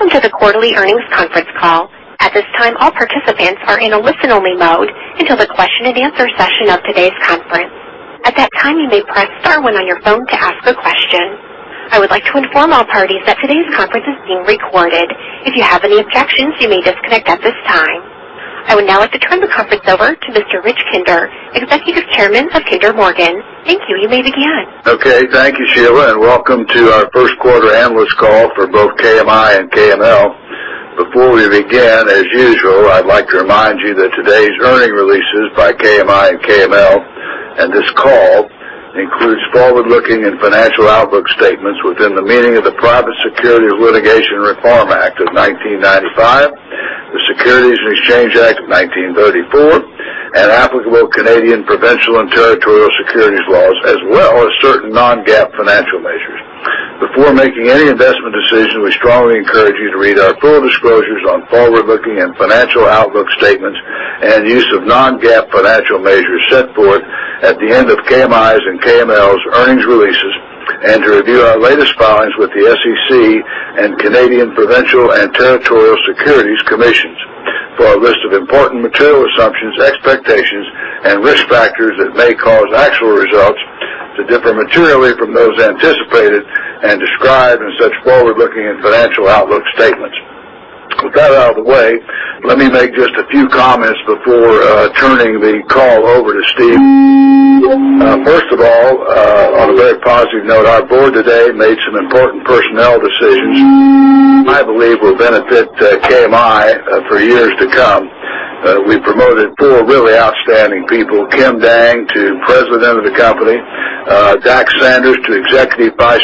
Welcome to the quarterly earnings conference call. At this time, all participants are in a listen-only mode until the question-and-answer session of today's conference. At that time, you may press star one on your phone to ask a question. I would like to inform all parties that today's conference is being recorded. If you have any objections, you may disconnect at this time. I would now like to turn the conference over to Mr. Rich Kinder, Executive Chairman of Kinder Morgan. Thank you. You may begin. Okay. Thank you, Sheila, Welcome to our first quarter analyst call for both KMI and KML. Before we begin, as usual, I'd like to remind you that today's earnings releases by KMI and KML, and this call, includes forward-looking and financial outlook statements within the meaning of the Private Securities Litigation Reform Act of 1995, the Securities Exchange Act of 1934, and applicable Canadian provincial and territorial securities laws, as well as certain non-GAAP financial measures. Before making any investment decision, we strongly encourage you to read our full disclosures on forward-looking and financial outlook statements and use of non-GAAP financial measures set forth at the end of KMI's and KML's earnings releases, to review our latest filings with the SEC and Canadian provincial and territorial securities commissions for a list of important material assumptions, expectations, and risk factors that may cause actual results to differ materially from those anticipated and described in such forward-looking and financial outlook statements. With that out of the way, let me make just a few comments before turning the call over to Steve. First of all, on a very positive note, our board today made some important personnel decisions I believe will benefit KMI for years to come. We promoted four really outstanding people. Kim Dang to President of the company, Dax Sanders to Executive Vice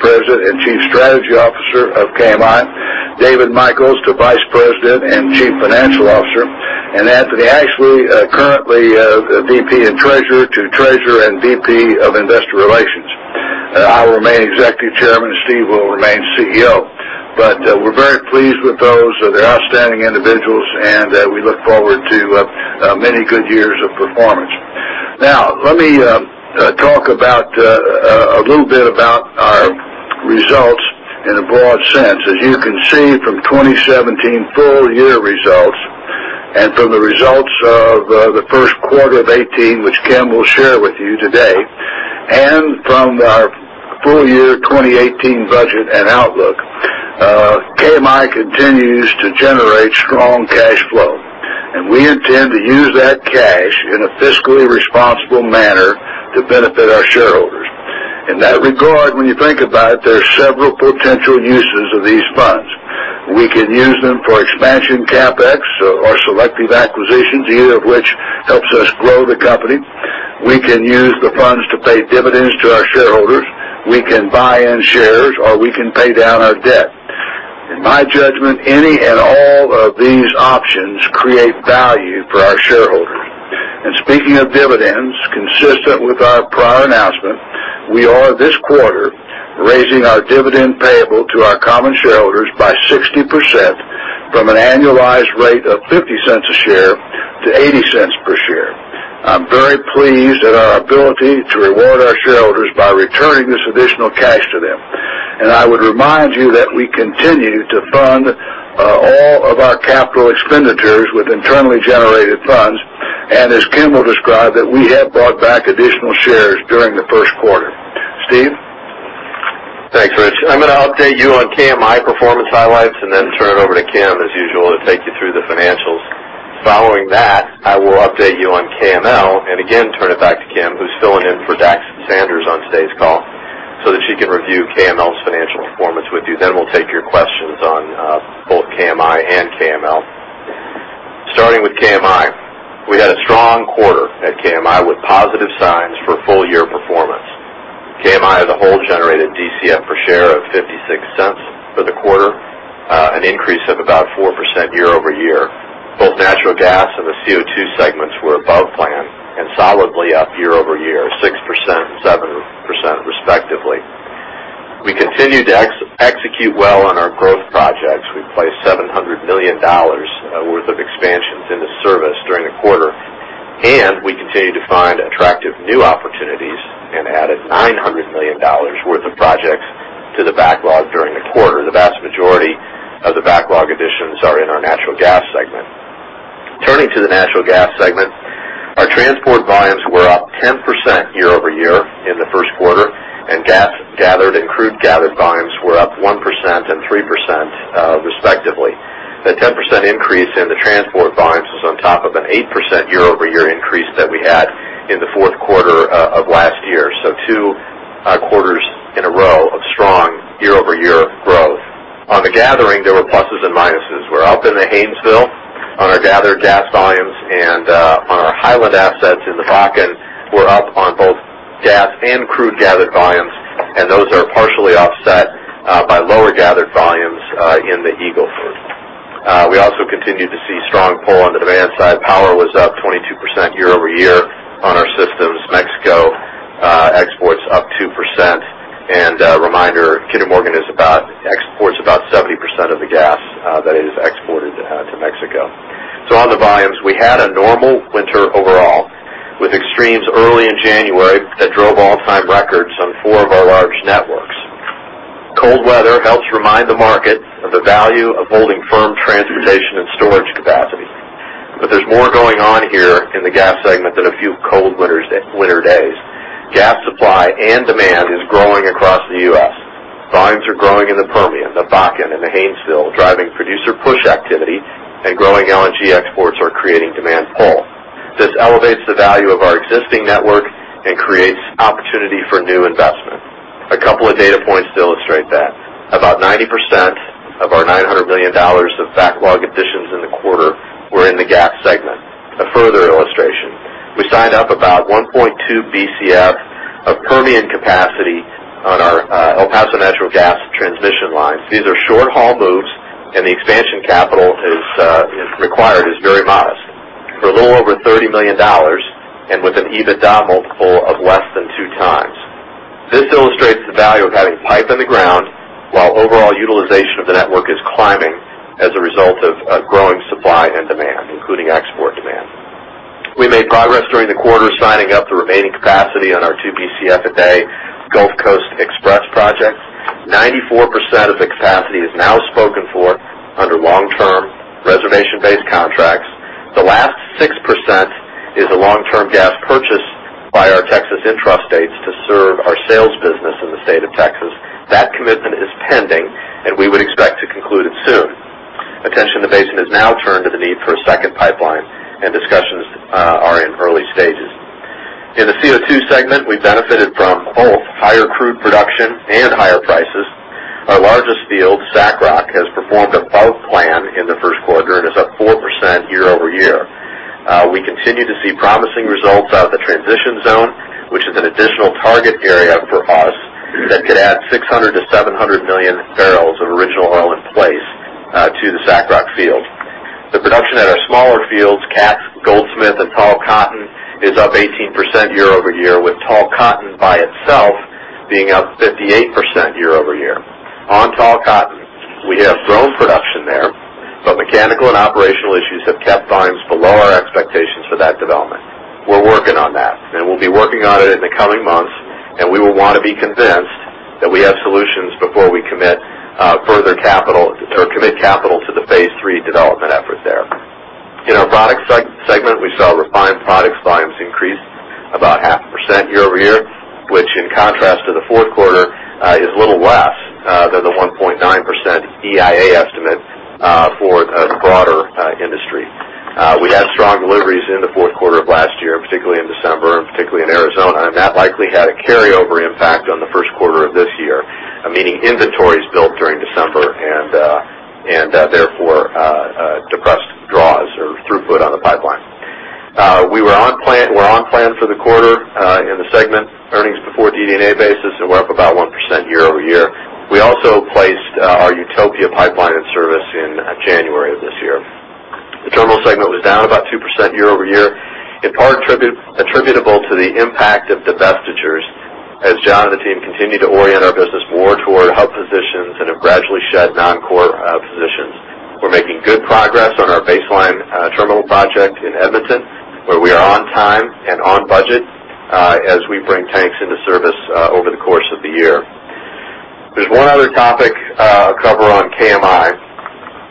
President and Chief Strategy Officer of KMI, David Michels to Vice President and Chief Financial Officer, Anthony Ashley, currently VP and Treasurer, to Treasurer and VP of Investor Relations. I will remain Executive Chairman. Steve will remain CEO. We're very pleased with those. They're outstanding individuals, we look forward to many good years of performance. Let me talk a little bit about our results in a broad sense. As you can see from 2017 full-year results and from the results of the first quarter of 2018, which Kim will share with you today, and from our full-year 2018 budget and outlook, KMI continues to generate strong cash flow. We intend to use that cash in a fiscally responsible manner to benefit our shareholders. In that regard, when you think about it, there are several potential uses of these funds. We can use them for expansion CapEx or selective acquisitions, either of which helps us grow the company. We can use the funds to pay dividends to our shareholders. We can buy in shares, or we can pay down our debt. In my judgment, any and all of these options create value for our shareholders. Speaking of dividends, consistent with our prior announcement, we are this quarter raising our dividend payable to our common shareholders by 60% from an annualized rate of $0.50 a share to $0.80 per share. I'm very pleased at our ability to reward our shareholders by returning this additional cash to them. I would remind you that we continue to fund all of our capital expenditures with internally generated funds, and as Kim will describe, that we have bought back additional shares during the first quarter. Steve? Thanks, Rich. I'm going to update you on KMI performance highlights and then turn it over to Kim, as usual, to take you through the financials. Following that, I will update you on KML and again turn it back to Kim, who's filling in for Dax Sanders on today's call, so that she can review KML's financial performance with you. Then we'll take your questions on both KMI and KML. Starting with KMI, we had a strong quarter at KMI with positive signs for full-year performance. KMI as a whole generated DCF per share of $0.56 for the quarter, an increase of about 4% year-over-year. Both natural gas and the CO2 segments were above plan and solidly up year-over-year, 6% and 7% respectively. We continued to execute well on our growth projects. We placed $700 million worth of expansions into service during the quarter. We continued to find attractive new opportunities and added $900 million worth of projects to the backlog during the quarter. The vast majority of the backlog additions are in our natural gas segment. Turning to the natural gas segment, our transport volumes were up 10% year-over-year in the first quarter, and gas gathered and crude gathered volumes were up 1% and 3% respectively. The 10% increase in the transport volumes was on top of an 8% year-over-year increase that we had in the fourth quarter of last year. Two quarters in a row of strong year-over-year growth. On the gathering, there were pluses and minuses. We're up in the Haynesville on our gathered gas volumes and on our Hiland assets in the Bakken. We're up on both gas and crude gathered volumes. Those are partially offset by lower gathered volumes in the Eagle Ford. We also continued to see strong pull on the demand side. Power was up 22% year-over-year on our systems. Mexico exports up 2%. A reminder, Kinder Morgan exports about 70% of the gas that is exported Mexico. On the volumes, we had a normal winter overall, with extremes early in January that drove all-time records on four of our large networks. Cold weather helps remind the market of the value of holding firm transportation and storage capacity. There's more going on here in the gas segment than a few cold winter days. Gas supply and demand is growing across the U.S. Volumes are growing in the Permian, the Bakken, and the Haynesville, driving producer push activity, and growing LNG exports are creating demand pull. This elevates the value of our existing network and creates opportunity for new investment. A couple of data points to illustrate that. About 90% of our $900 million of backlog additions in the quarter were in the gas segment. A further illustration, we signed up about 1.2 Bcf of Permian capacity on our El Paso Natural Gas transmission lines. These are short-haul moves. The expansion capital required is very modest. For a little over $30 million and with an EBITDA multiple of less than 2x. This illustrates the value of having pipe in the ground while overall utilization of the network is climbing as a result of growing supply and demand, including export demand. We made progress during the quarter signing up the remaining capacity on our 2 Bcf a day Gulf Coast Express project. 94% of the capacity is now spoken for under long-term reservation-based contracts. The last 6% is a long-term gas purchase by our Texas intrastates to serve our sales business in the state of Texas. That commitment is pending. We would expect to conclude it soon. Attention in the basin has now turned to the need for a second pipeline. Discussions are in early stages. In the CO2 segment, we benefited from both higher crude production and higher prices. Our largest field, SACROC, has performed above plan in the first quarter and is up 4% year-over-year. We continue to see promising results out of the transition zone, which is an additional target area for us that could add 600 million-700 million barrels of original oil in place to the SACROC field. The production at our smaller fields, Katz, Goldsmith, and Tall Cotton, is up 18% year-over-year, with Tall Cotton by itself being up 58% year-over-year. On Tall Cotton, we have grown production there. Mechanical and operational issues have kept volumes below our expectations for that development. We're working on that. We'll be working on it in the coming months. We will want to be convinced that we have solutions before we commit capital to the phase 3 development effort there. In our products segment, we saw refined products volumes increase about 0.5% year-over-year, which in contrast to the fourth quarter, is a little less than the 1.9% EIA estimate for the broader industry. We had strong deliveries in the fourth quarter of last year, particularly in December and particularly in Arizona, and that likely had a carryover impact on the first quarter of this year, meaning inventories built during December and therefore depressed draws or throughput on the pipeline. We're on plan for the quarter in the segment. Earnings before DD&A basis were up about 1% year-over-year. We also placed our Utopia pipeline in service in January of this year. The terminal segment was down about 2% year-over-year, in part attributable to the impact of divestitures as John and the team continue to orient our business more toward hub positions and have gradually shed non-core positions. We're making good progress on our Baseline Terminal project in Edmonton, where we are on time and on budget as we bring tanks into service over the course of the year. There's one other topic I'll cover on KMI,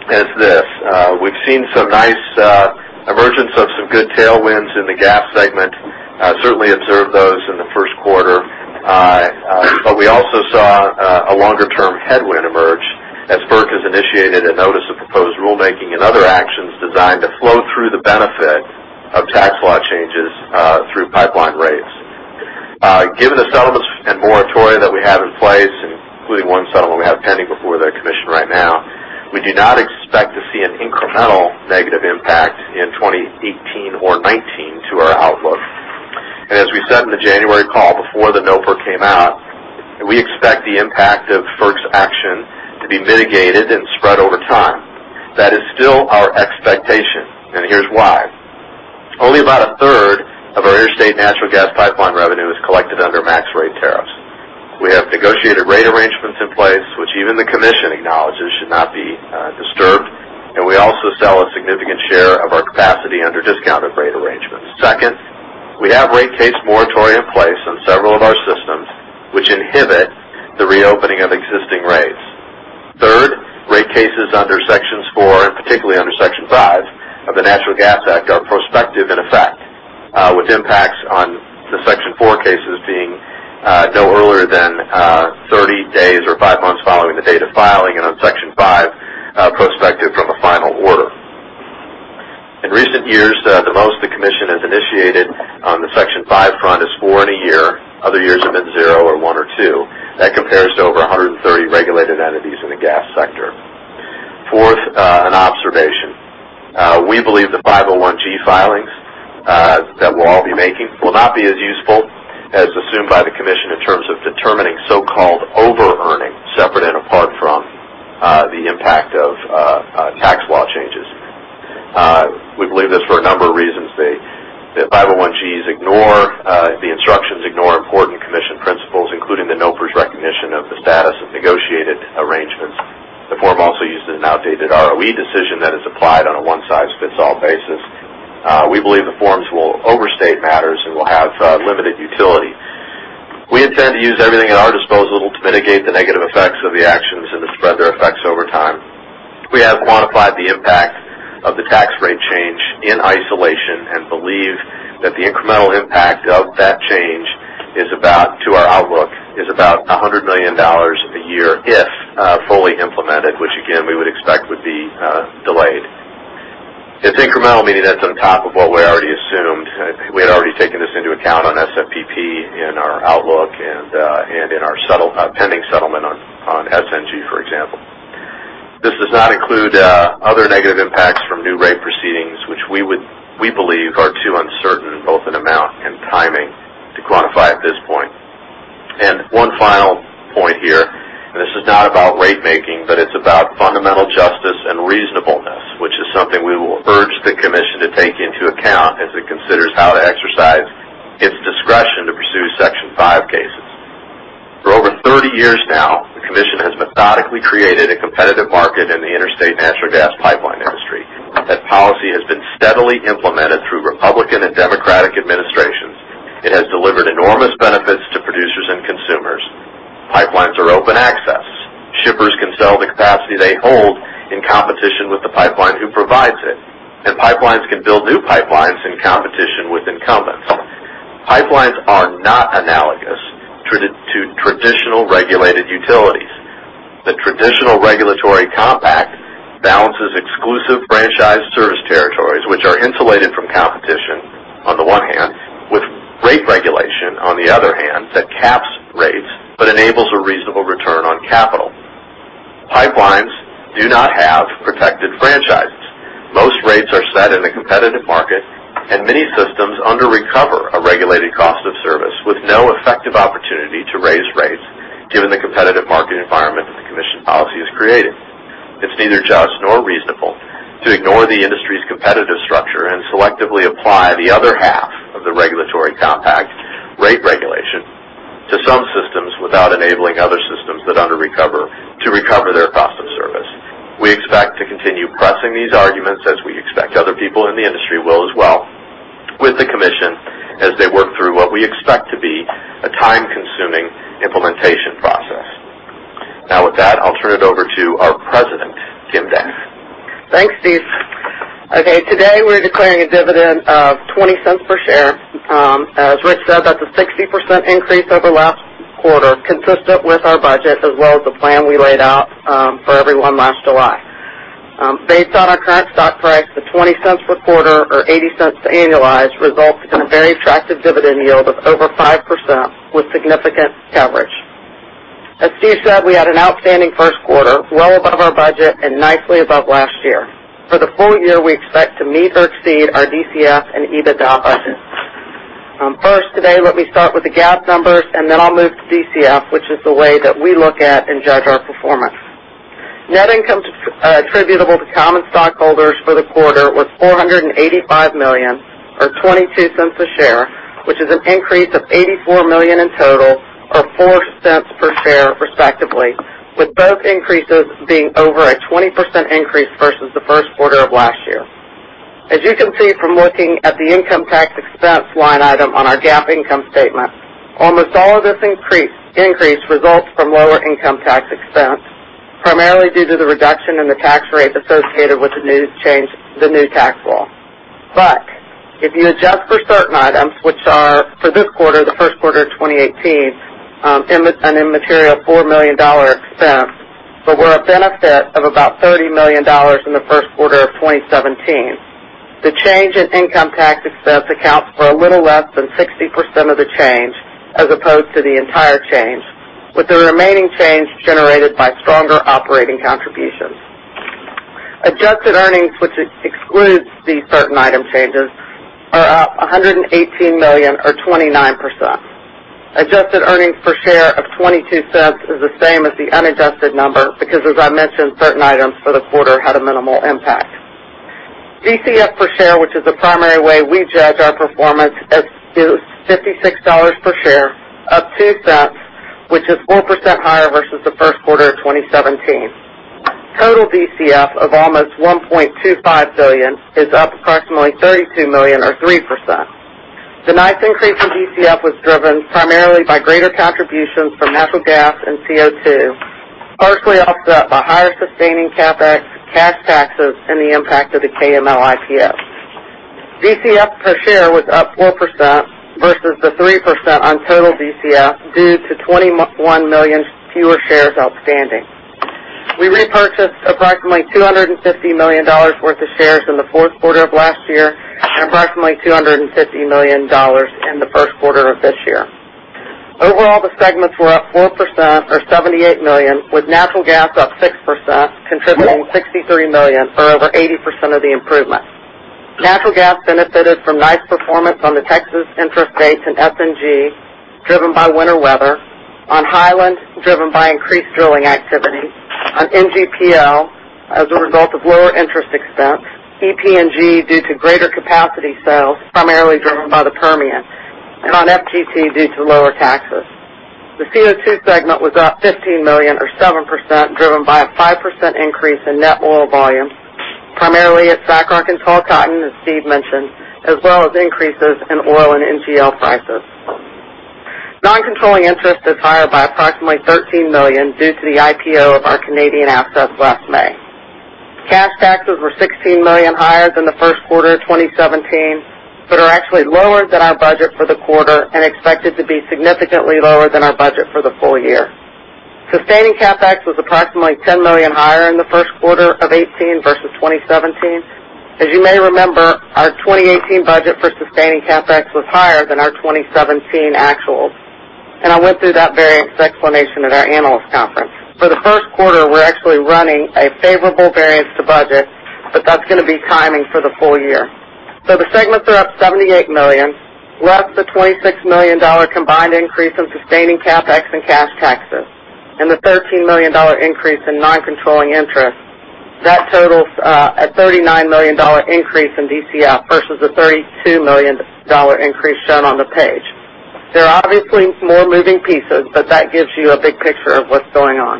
and it's this. We've seen some nice emergence of some good tailwinds in the gas segment. Certainly observed those in the first quarter. We also saw a longer-term headwind emerge as FERC has initiated a notice of proposed rulemaking and other actions designed to flow through the benefit of tax law changes through pipeline rates. Given the settlements and moratoria that we have in place, including one settlement we have pending before the commission right now, we do not expect to see an incremental negative impact in 2018 or 2019 to our outlook. As we said in the January call before the NOPR came out, we expect the impact of FERC's action to be mitigated and spread over time. That is still our expectation, and here's why. Only about a third of our interstate natural gas pipeline revenue is collected under max rate tariffs. We have negotiated rate arrangements in place, which even the commission acknowledges should not be disturbed, and we also sell a significant share of our capacity under discounted rate arrangements. Second, we have rate case moratoria in place on several of our systems, which inhibit the reopening of existing rates. Third, rate cases under Section 4, and particularly under Section 5 of the Natural Gas Act, are prospective in effect, with impacts on the Section 4 cases being no earlier than 30 days or 5 months following the date of filing and on Section 5, prospective from a final order. In recent years, the most the commission has initiated on the Section 5 front is four in a year. Other years have been zero or one or two. That compares to over 130 regulated entities in the gas sector. Fourth, an observation. We believe the Form No. 501-G filings that we'll all be making will not be as useful as assumed by the commission in terms of determining so-called over-earnings separate and apart from the impact of tax law changes. We believe this for a number of reasons. The NGs ignore the instructions, ignore important commission principles, including the NOPR's recognition of the status of negotiated arrangements. The form also uses an outdated ROE decision that is applied on a one-size-fits-all basis. We believe the forms will overstate matters and will have limited utility. We intend to use everything at our disposal to mitigate the negative effects of the actions and to spread their effects over time. We have quantified the impact of the tax rate change in isolation and believe that the incremental impact of that change, to our outlook, is about $100 million a year if fully implemented, which again, we would expect would be delayed. It's incremental, meaning that's on top of what we already assumed. We had already taken this into account on SFPP in our outlook and in our pending settlement on SNG, for example. This does not include other negative impacts from new rate proceedings, which we believe are too uncertain, both in amount and timing, to quantify at this point. One final point here, this is not about rate making, but it's about fundamental justice and reasonableness, which is something we will urge the commission to take into account as it considers how to exercise its discretion to pursue Section 5 cases. For over 30 years now, the commission has methodically created a competitive market in the interstate natural gas pipeline industry. That policy has been steadily implemented through Republican and Democratic administrations. It has delivered enormous benefits to producers and consumers. Pipelines are open access. Shippers can sell the capacity they hold in competition with the pipeline who provides it, and pipelines can build new pipelines in competition with incumbents. Pipelines are not analogous to traditional regulated utilities. The traditional regulatory compact balances exclusive franchised service territories, which are insulated from competition on the one hand, with rate regulation on the other hand, that caps rates but enables a reasonable return on capital. Pipelines do not have protected franchises. Most rates are set in a competitive market, and many systems under-recover a regulated cost of service with no effective opportunity to raise rates, given the competitive market environment that the commission policy has created. It's neither just nor reasonable to ignore the industry's competitive structure and selectively apply the other half of the regulatory compact rate regulation to some systems without enabling other systems that under-recover to recover their cost of service. We expect to continue pressing these arguments, as we expect other people in the industry will as well, with the commission as they work through what we expect to be a time-consuming implementation process. With that, I'll turn it over to our President, Kim Dang. Thanks, Steve. Today we're declaring a dividend of $0.20 per share. As Rich said, that's a 60% increase over last quarter, consistent with our budget as well as the plan we laid out for everyone last July. Based on our current stock price, the $0.20 per quarter or $0.80 to annualize results in a very attractive dividend yield of over 5% with significant coverage. As Steve said, we had an outstanding first quarter, well above our budget and nicely above last year. For the full year, we expect to meet or exceed our DCF and EBITDA budget. First, today, let me start with the GAAP numbers, then I'll move to DCF, which is the way that we look at and judge our performance. Net income attributable to common stockholders for the quarter was $485 million or $0.22 a share, which is an increase of $84 million in total or $0.04 per share, respectively, with both increases being over a 20% increase versus the first quarter of last year. As you can see from looking at the income tax expense line item on our GAAP income statement, almost all of this increase results from lower income tax expense, primarily due to the reduction in the tax rate associated with the new tax law. If you adjust for certain items, which are for this quarter, the first quarter of 2018, an immaterial $4 million expense, but were a benefit of about $30 million in the first quarter of 2017. The change in income tax expense accounts for a little less than 60% of the change as opposed to the entire change, with the remaining change generated by stronger operating contributions. Adjusted earnings, which excludes these certain item changes, are up $118 million or 29%. Adjusted earnings per share of $0.22 is the same as the unadjusted number because, as I mentioned, certain items for the quarter had a minimal impact. DCF per share, which is the primary way we judge our performance, is $0.56 per share, up $0.02, which is 4% higher versus the first quarter of 2017. Total DCF of almost $1.25 billion is up approximately $32 million or 3%. The nice increase in DCF was driven primarily by greater contributions from natural gas and CO2, partially offset by higher sustaining CapEx, cash taxes, and the impact of the KML IPO. DCF per share was up 4% versus the 3% on total DCF due to 21 million fewer shares outstanding. We repurchased approximately $250 million worth of shares in the fourth quarter of last year and approximately $250 million in the first quarter of this year. Overall, the segments were up 4% or $78 million, with natural gas up 6%, contributing $63 million or over 80% of the improvement. Natural gas benefited from nice performance on the Texas intrastates and TGP driven by winter weather. On Hiland, driven by increased drilling activity. On NGPL, as a result of lower interest expense. EPNG, due to greater capacity sales, primarily driven by the Permian. On FGT, due to lower taxes. The CO2 segment was up $15 million or 7%, driven by a 5% increase in net oil volume, primarily at SACROC and Tall Cotton, as Steve mentioned, as well as increases in oil and NGL prices. Non-controlling interest is higher by approximately $13 million due to the IPO of our Canadian assets last May. Cash taxes were $16 million higher than the first quarter of 2017, but are actually lower than our budget for the quarter and expected to be significantly lower than our budget for the full year. Sustaining CapEx was approximately $10 million higher in the first quarter of 2018 versus 2017. As you may remember, our 2018 budget for sustaining CapEx was higher than our 2017 actuals. I went through that variance explanation at our analyst conference. For the first quarter, we're actually running a favorable variance to budget, that's going to be timing for the full year. The segments are up $78 million, less the $26 million combined increase in sustaining CapEx and cash taxes, and the $13 million increase in non-controlling interest. That totals a $39 million increase in DCF versus the $32 million increase shown on the page. There are obviously more moving pieces, but that gives you a big picture of what's going on.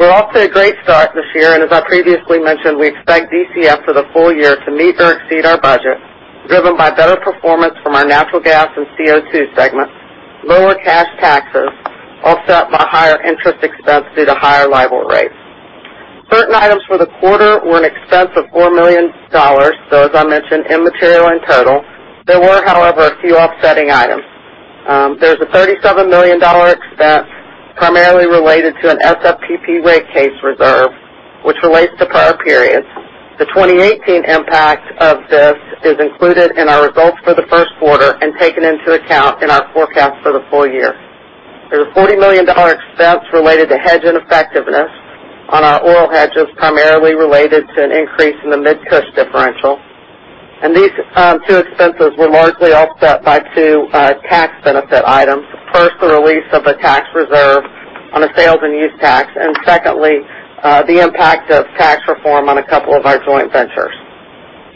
We're off to a great start this year, and as I previously mentioned, we expect DCF for the full year to meet or exceed our budget, driven by better performance from our natural gas and CO2 segments. Lower cash taxes, offset by higher interest expense due to higher LIBOR rates. Certain items for the quarter were an expense of $4 million, as I mentioned, immaterial in total. There were, however, a few offsetting items. There's a $37 million expense primarily related to an SFPP rate case reserve, which relates to prior periods. The 2018 impact of this is included in our results for the first quarter and taken into account in our forecast for the full year. There's a $40 million expense related to hedge ineffectiveness on our oil hedges, primarily related to an increase in the Mid-Cush differential. These two expenses were largely offset by two tax benefit items. First, the release of a tax reserve on a sales and use tax. Secondly, the impact of tax reform on a couple of our joint ventures.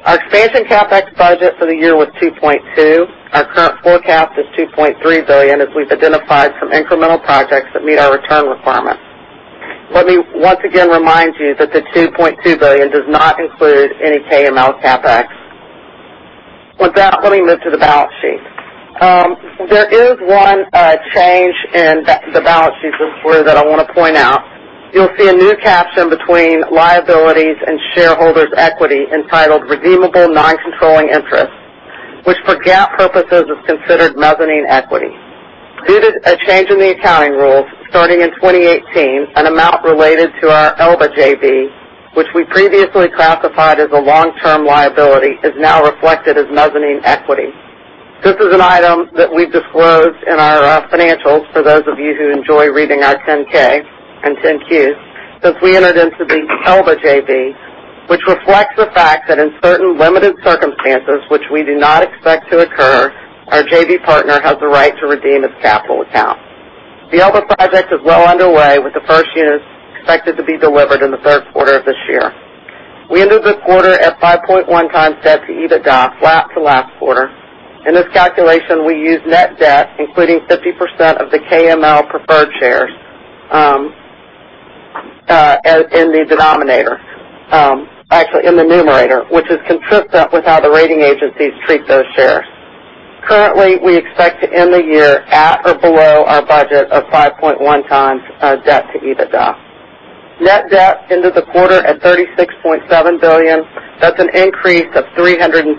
Our expansion CapEx budget for the year was $2.2 billion. Our current forecast is $2.3 billion as we've identified some incremental projects that meet our return requirements. Let me once again remind you that the $2.2 billion does not include any KML CapEx. With that, let me move to the balance sheet. There is one change in the balance sheet this quarter that I want to point out. You'll see a new caption between liabilities and shareholders' equity entitled redeemable non-controlling interest, which for GAAP purposes is considered mezzanine equity. Due to a change in the accounting rules, starting in 2018, an amount related to our Elba JV, which we previously classified as a long-term liability, is now reflected as mezzanine equity. This is an item that we've disclosed in our financials, for those of you who enjoy reading our 10-K and 10-Qs, since we entered into the Elba JV, which reflects the fact that in certain limited circumstances, which we do not expect to occur, our JV partner has the right to redeem his capital account. The Elba project is well underway with the first units expected to be delivered in the third quarter of this year. We ended the quarter at 5.1 times debt to EBITDA, flat to last quarter. In this calculation, we use net debt, including 50% of the KML preferred shares in the numerator, which is consistent with how the rating agencies treat those shares. Currently, we expect to end the year at or below our budget of 5.1 times debt to EBITDA. Net debt ended the quarter at $36.7 billion. That's an increase of $331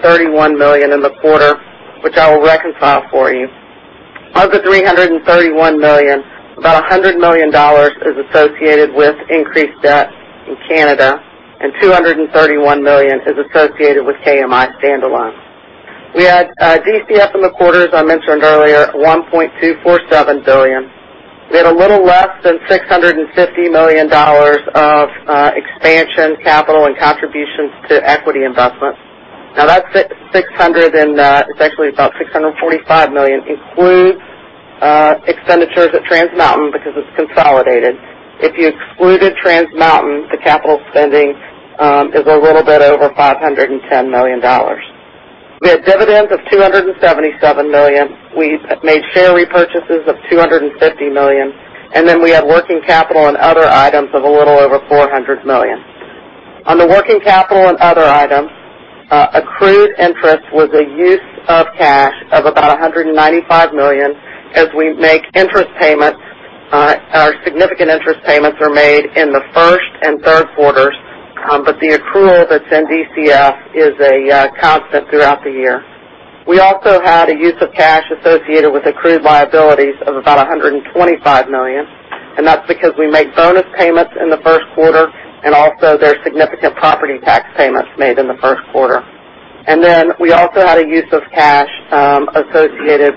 million in the quarter, which I will reconcile for you. Of the $331 million, about $100 million is associated with increased debt in Canada, and $231 million is associated with KMI standalone. We had DCF in the quarter, as I mentioned earlier, $1.247 billion. We had a little less than $650 million of expansion capital and contributions to equity investments. That's actually about $645 million, includes expenditures at Trans Mountain because it's consolidated. If you excluded Trans Mountain, the capital spending is a little bit over $510 million. We had dividends of $277 million. We made share repurchases of $250 million, then we had working capital and other items of a little over $400 million. On the working capital and other items, accrued interest was a use of cash of about $195 million as we make interest payments. Our significant interest payments are made in the first and third quarters, the accrual that's in DCF is a constant throughout the year. We also had a use of cash associated with accrued liabilities of about $125 million, that's because we make bonus payments in the first quarter, also there are significant property tax payments made in the first quarter. We also had a use of cash associated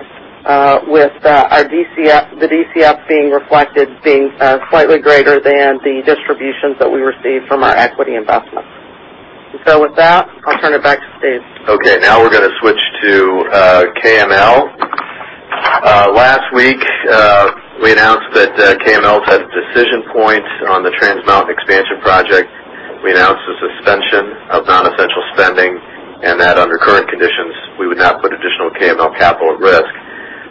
with the DCF being reflected being slightly greater than the distributions that we received from our equity investment. With that, I'll turn it back to Steve. Okay. We're going to switch to KML. Last week, we announced that KML has had a decision point on the Trans Mountain expansion project. We announced the suspension of non-essential spending and that under current conditions, we would not put additional KML capital at risk.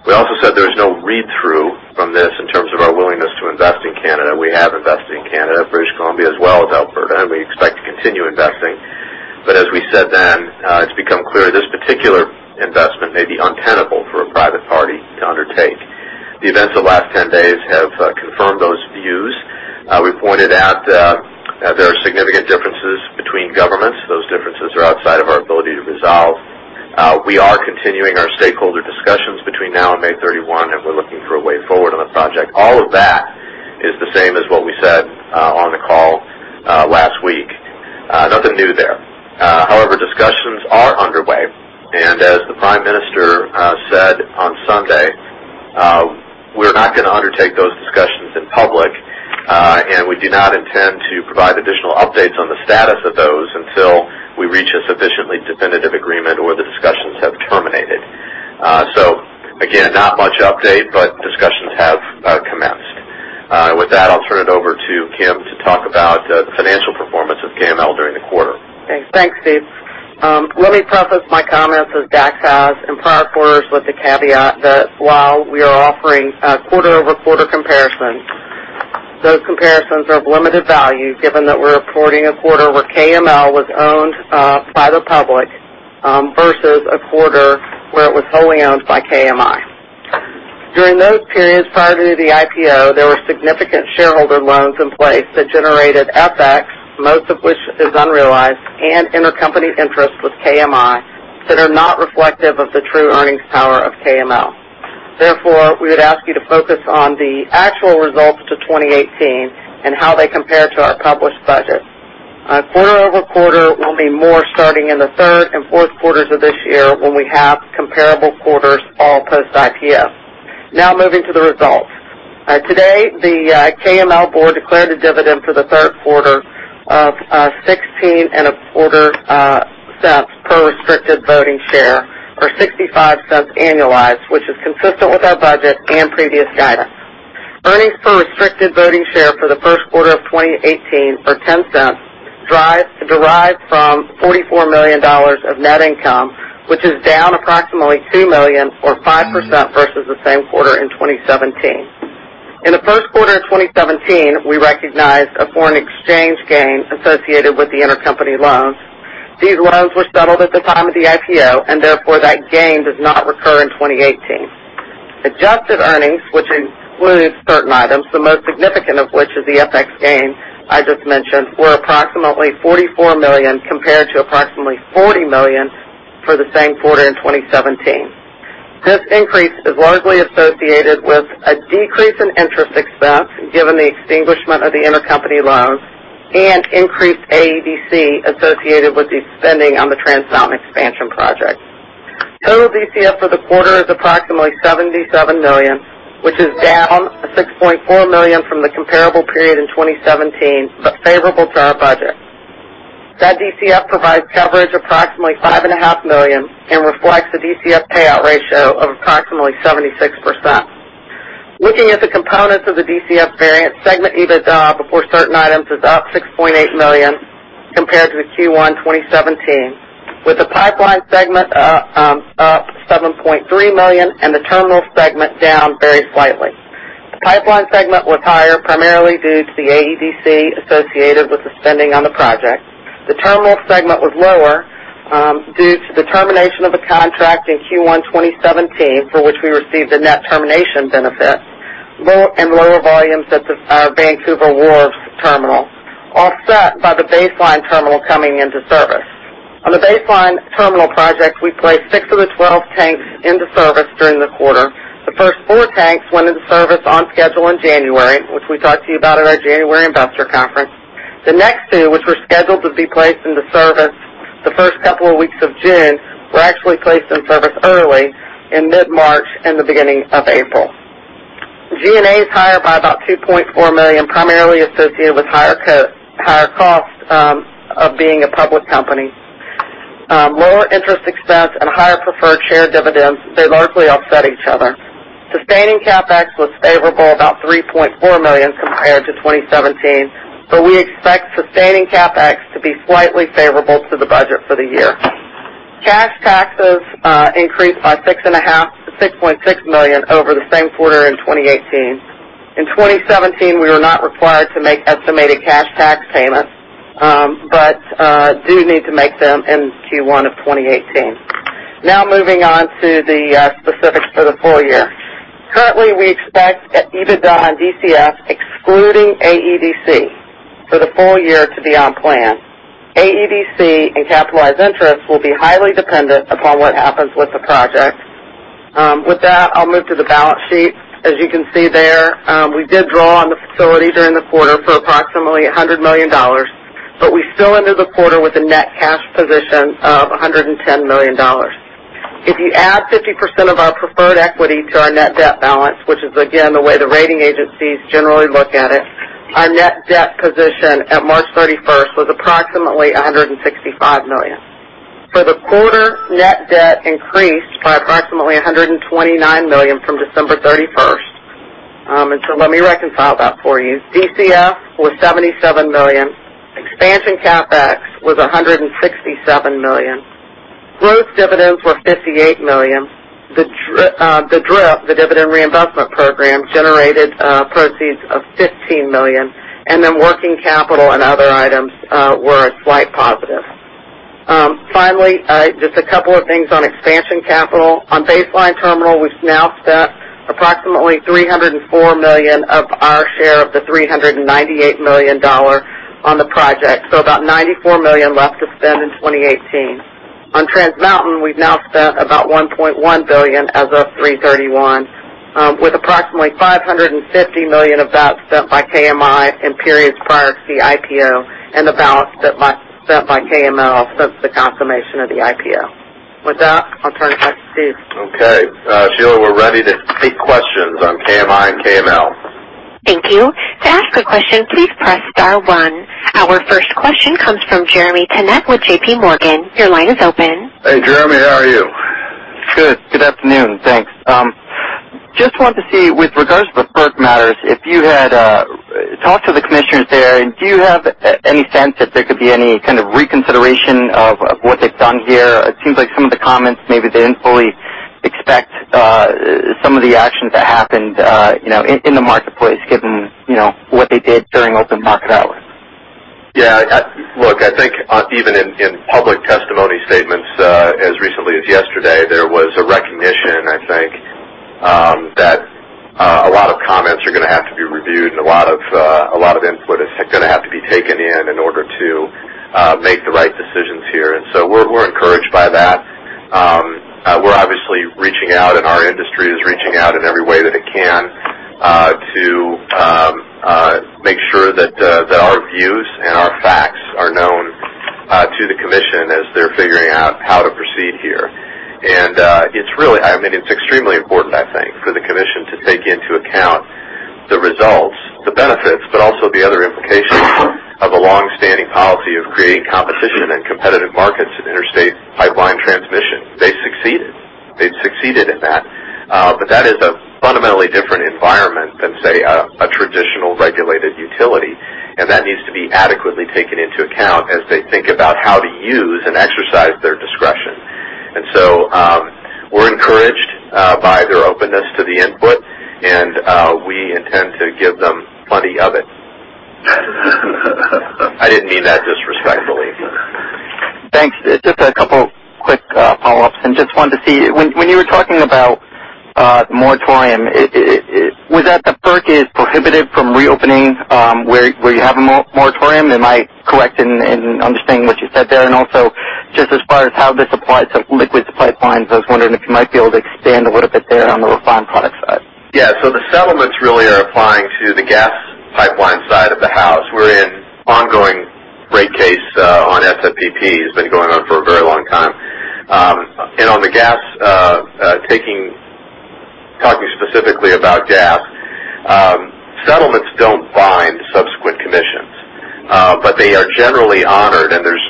We also said there is no read-through from this in terms of our willingness to invest in Canada. We have invested in Canada, British Columbia as well as Alberta, we expect to continue investing. As we said then, it's become clear this particular investment may be untenable for a private party to undertake. The events of the last 10 days have confirmed those views. We pointed out there are significant differences between governments. Those differences are outside of our ability to resolve. We are continuing our stakeholder discussions between now and May 31, and we're looking for a way forward on the project. All of that is the same as what we said on the call last week. Nothing new there. Discussions are underway, and as the Prime Minister said on Sunday, we're not going to undertake those discussions in public. We do not intend to provide additional updates on the status of those until we reach a sufficiently definitive agreement or the discussions have terminated. Again, not much update, but discussions have commenced. With that, I'll turn it over to Kim to talk about the financial performance of KML during the quarter. Thanks, Steve. Let me preface my comments as Dax has in prior quarters with the caveat that while we are offering quarter-over-quarter comparisons, those comparisons are of limited value given that we're reporting a quarter where KML was owned by the public versus a quarter where it was wholly owned by KMI. During those periods prior to the IPO, there were significant shareholder loans in place that generated FX, most of which is unrealized, and intercompany interest with KMI that are not reflective of the true earnings power of KML. We would ask you to focus on the actual results to 2018 and how they compare to our published budget. Quarter-over-quarter will be more starting in the third and fourth quarters of this year when we have comparable quarters all post-IPO. Moving to the results. Today, the KML board declared a dividend for the third quarter of 16 and a quarter cents per restricted voting share, or $0.65 annualized, which is consistent with our budget and previous guidance. Earnings per restricted voting share for the first quarter of 2018 are $0.10, derived from $44 million of net income, which is down approximately $2 million or 5% versus the same quarter in 2017. In the first quarter of 2017, we recognized a foreign exchange gain associated with the intercompany loans. These loans were settled at the time of the IPO, that gain does not recur in 2018. Adjusted earnings, which includes certain items, the most significant of which is the FX gain I just mentioned, were approximately $44 million compared to approximately $40 million for the same quarter in 2017. This increase is largely associated with a decrease in interest expense given the extinguishment of the intercompany loans and increased AEDC associated with the spending on the Trans Mountain expansion project. Total DCF for the quarter is approximately $77 million, which is down $6.4 million from the comparable period in 2017, but favorable to our budget. That DCF provides coverage approximately $5.5 million and reflects a DCF payout ratio of approximately 76%. Looking at the components of the DCF variance, segment EBITDA before certain items is up $6.8 million compared to Q1 2017, with the pipeline segment up $7.3 million and the terminal segment down very slightly. The pipeline segment was higher primarily due to the AEDC associated with the spending on the project. The terminal segment was lower due to the termination of a contract in Q1 2017, for which we received a net termination benefit, and lower volumes at our Vancouver Wharves terminal, offset by the Baseline Terminal coming into service. On the Baseline Terminal project, we placed six of the 12 tanks into service during the quarter. The first four tanks went into service on schedule in January, which we talked to you about at our January investor conference. The next two, which were scheduled to be placed into service the first couple of weeks of June, were actually placed in service early in mid-March and the beginning of April. G&A is higher by about $2.4 million, primarily associated with higher costs of being a public company. Lower interest expense and higher preferred share dividends, they largely offset each other. Sustaining CapEx was favorable about $3.4 million compared to 2017, but we expect sustaining CapEx to be slightly favorable to the budget for the year. Cash taxes increased by $6.5 million to $6.6 million over the same quarter in 2018. In 2017, we were not required to make estimated cash tax payments, but do need to make them in Q1 of 2018. Now moving on to the specifics for the full year. Currently, we expect EBITDA and DCF excluding AEDC for the full year to be on plan. AEDC and capitalized interest will be highly dependent upon what happens with the project. With that, I'll move to the balance sheet. As you can see there, we did draw on the facility during the quarter for approximately $100 million, but we still ended the quarter with a net cash position of $110 million. If you add 50% of our preferred equity to our net debt balance, which is, again, the way the rating agencies generally look at it, our net debt position at March 31st was approximately $165 million. For the quarter, net debt increased by approximately $129 million from December 31st. Let me reconcile that for you. DCF was $77 million. Expansion CapEx was $167 million. Growth dividends were $58 million. The DRIP, the dividend reinvestment program, generated proceeds of $15 million, and then working capital and other items were a slight positive. Finally, just a couple of things on expansion capital. On Baseline Terminal, we've now spent approximately $304 million of our share of the $398 million on the project, so about $94 million left to spend in 2018. On Trans Mountain, we've now spent about $1.1 billion as of 3/31, with approximately $550 million of that spent by KMI in periods prior to the IPO and about spent by KML since the consummation of the IPO. With that, I'll turn it back to Steve. Okay. Sheila, we're ready to take questions on KMI and KML. Thank you. To ask a question, please press star one. Our first question comes from Jeremy Tonet with J.P. Morgan. Your line is open. Hey, Jeremy, how are you? Good. Good afternoon. Thanks. Just wanted to see, with regards to the FERC matters, if you had talked to the commissioners there. Do you have any sense that there could be any kind of reconsideration of what they've done here? It seems like some of the comments, maybe they didn't fully expect some of the actions that happened in the marketplace, given what they did during open market hours. Yeah, look, I think even in public testimony statements as recently as yesterday, there was a recognition, I think, that a lot of comments are going to have to be reviewed and a lot of input is going to have to be taken in in order to make the right decisions here. So we're encouraged by that. We're obviously reaching out, and our industry is reaching out in every way that it can to make sure that our views and our facts are known to the commission as they're figuring out how to proceed here. It's extremely important, I think, for the commission to take into account the results, the benefits, but also the other implications of a long-standing policy of creating competition and competitive markets in interstate pipeline transmission. They succeeded. They've succeeded in that. That is a fundamentally different environment than, say, a traditional regulated utility, and that needs to be adequately taken into account as they think about how to use and exercise their discretion. So we're encouraged by their openness to the input, and we intend to give them plenty of it. I didn't mean that disrespectfully. Thanks. Just a couple of quick follow-ups and just wanted to see, when you were talking about moratorium, was that the FERC is prohibited from reopening where you have a moratorium? Am I correct in understanding what you said there? Also, just as far as how this applies to liquids pipelines, I was wondering if you might be able to expand a little bit there on the refined product side. Yeah. The settlements really are applying to the gas pipeline side of the house. We're in ongoing rate case on SFPP. It's been going on for a very long time. Talking specifically about gas, settlements don't bind subsequent commissions, but they are generally honored, and there's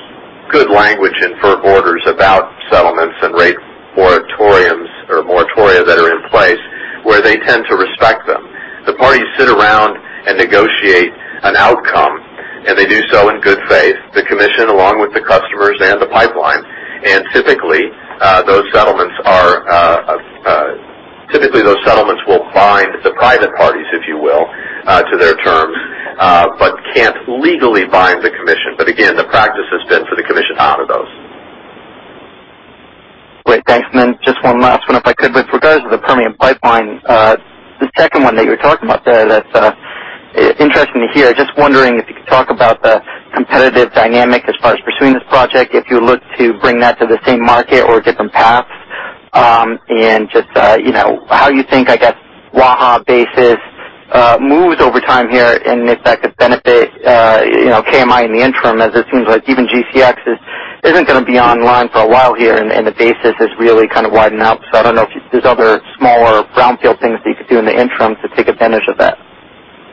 good language in FERC orders about settlements and rate moratoria that are in place where they tend to respect them. The parties sit around and negotiate an outcome, and they do so in good faith, the commission, along with the customers and the pipeline. Typically, those settlements will bind the private parties, if you will, to their terms, but can't legally bind the commission. Again, the practice has been for the commission to honor those. Great. Thanks. Just one last one, if I could. With regards to the Permian pipeline, the second one that you were talking about there, that's interesting to hear. Just wondering if you could talk about the competitive dynamic as far as pursuing this project, if you look to bring that to the same market or a different path, and just how you think, I guess, Waha basis moves over time here, and if that could benefit KMI in the interim, as it seems like even GCX isn't going to be online for a while here, and the basis has really widened out. I don't know if there's other smaller brownfield things that you could do in the interim to take advantage of that.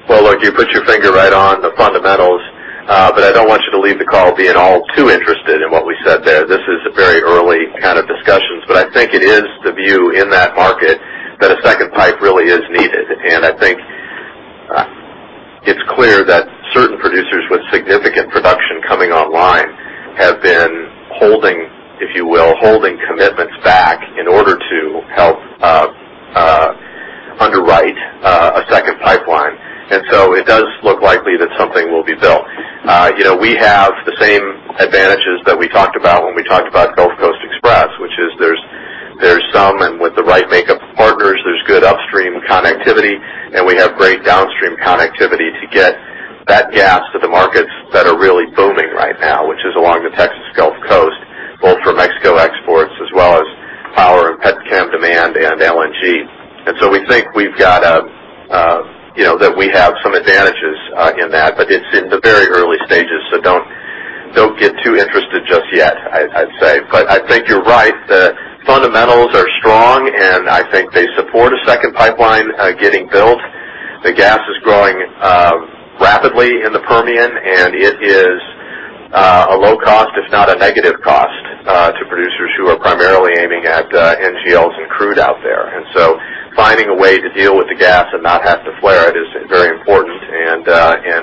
Well, look, you put your finger right on the fundamentals, I don't want you to leave the call being all too interested in what we said there. This is very early kind of discussions, I think it is the view in that market that a second pipe really is needed. I think it's clear that certain producers with significant production coming online have been holding, if you will, holding commitments back in order to help underwrite a second pipeline. It does look likely that something will be built. We have the same advantages that we talked about when we talked about Gulf Coast Express, which is there's some, with the right makeup of partners, there's good upstream connectivity, we have great downstream connectivity to get that gas to the markets that are really booming right now, which is along the Texas Gulf Coast, both for Mexico exports as well as power and petchem demand and LNG. We think that we have some advantages in that, it's in the very early Don't get too interested just yet, I'd say. I think you're right. The fundamentals are strong, I think they support a second pipeline getting built. The gas is growing rapidly in the Permian, it is a low cost, if not a negative cost, to producers who are primarily aiming at NGLs and crude out there. Finding a way to deal with the gas and not have to flare it is very important,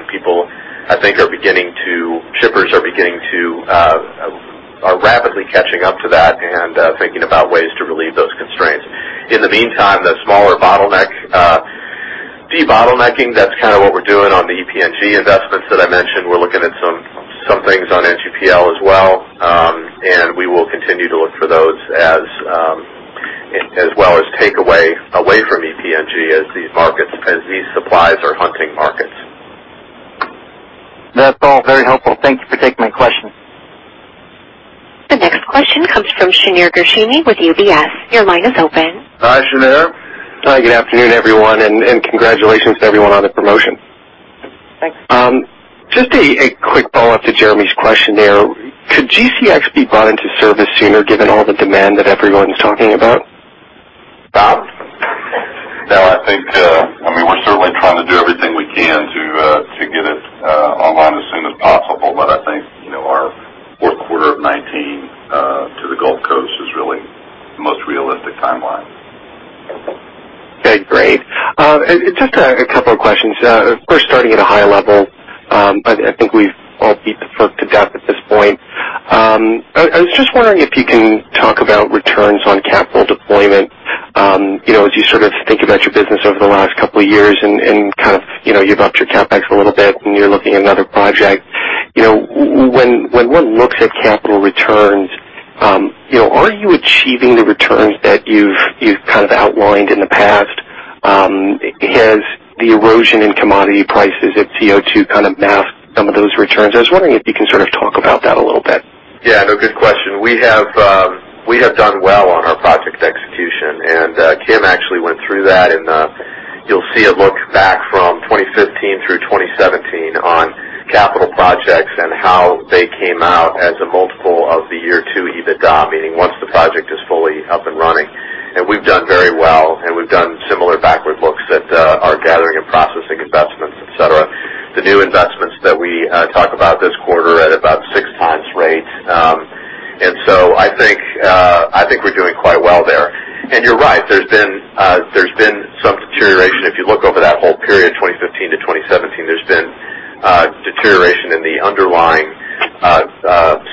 people, I think, shippers are rapidly catching up to that and thinking about ways to relieve those constraints. In the meantime, the smaller bottleneck, de-bottlenecking, that's kind of what we're doing on the EPNG investments that I mentioned. We're looking at some things on NGPL as well. We will continue to look for those, as well as take away from EPNG as these supplies are hunting markets. That's all very helpful. Thank you for taking my question. The next question comes from Shneur Gershuni with UBS. Your line is open. Hi, Shneur. Good afternoon, everyone. Congratulations to everyone on the promotion. Thanks. Just a quick follow-up to Jeremy Tonet's question there. Could GCX be brought into service sooner, given all the demand that everyone's talking about? Bob? No, I think we're certainly trying to do everything we can to get it online as soon as possible. I think our fourth quarter of 2019 to the Gulf Coast is really the most realistic timeline. Okay, great. Just a couple of questions. Of course, starting at a high level. I think we've all beat the FERC to death at this point. I was just wondering if you can talk about returns on capital deployment. As you think about your business over the last couple of years and you've upped your CapEx a little bit and you're looking at another project. When one looks at capital returns, are you achieving the returns that you've outlined in the past? Has the erosion in commodity prices of CO2 kind of masked some of those returns? I was wondering if you can talk about that a little bit. Yeah. No, good question. We have done well on our project execution, Kim actually went through that, and you'll see a look back from 2015 through 2017 on capital projects and how they came out as a multiple of the year two EBITDA, meaning once the project is fully up and running. We've done very well, and we've done similar backward looks at our gathering and processing investments, et cetera. The new investments that we talk about this quarter are at about six times rate. So I think we're doing quite well there. You're right. There's been some deterioration. If you look over that whole period, 2015 to 2017, there's been deterioration in the underlying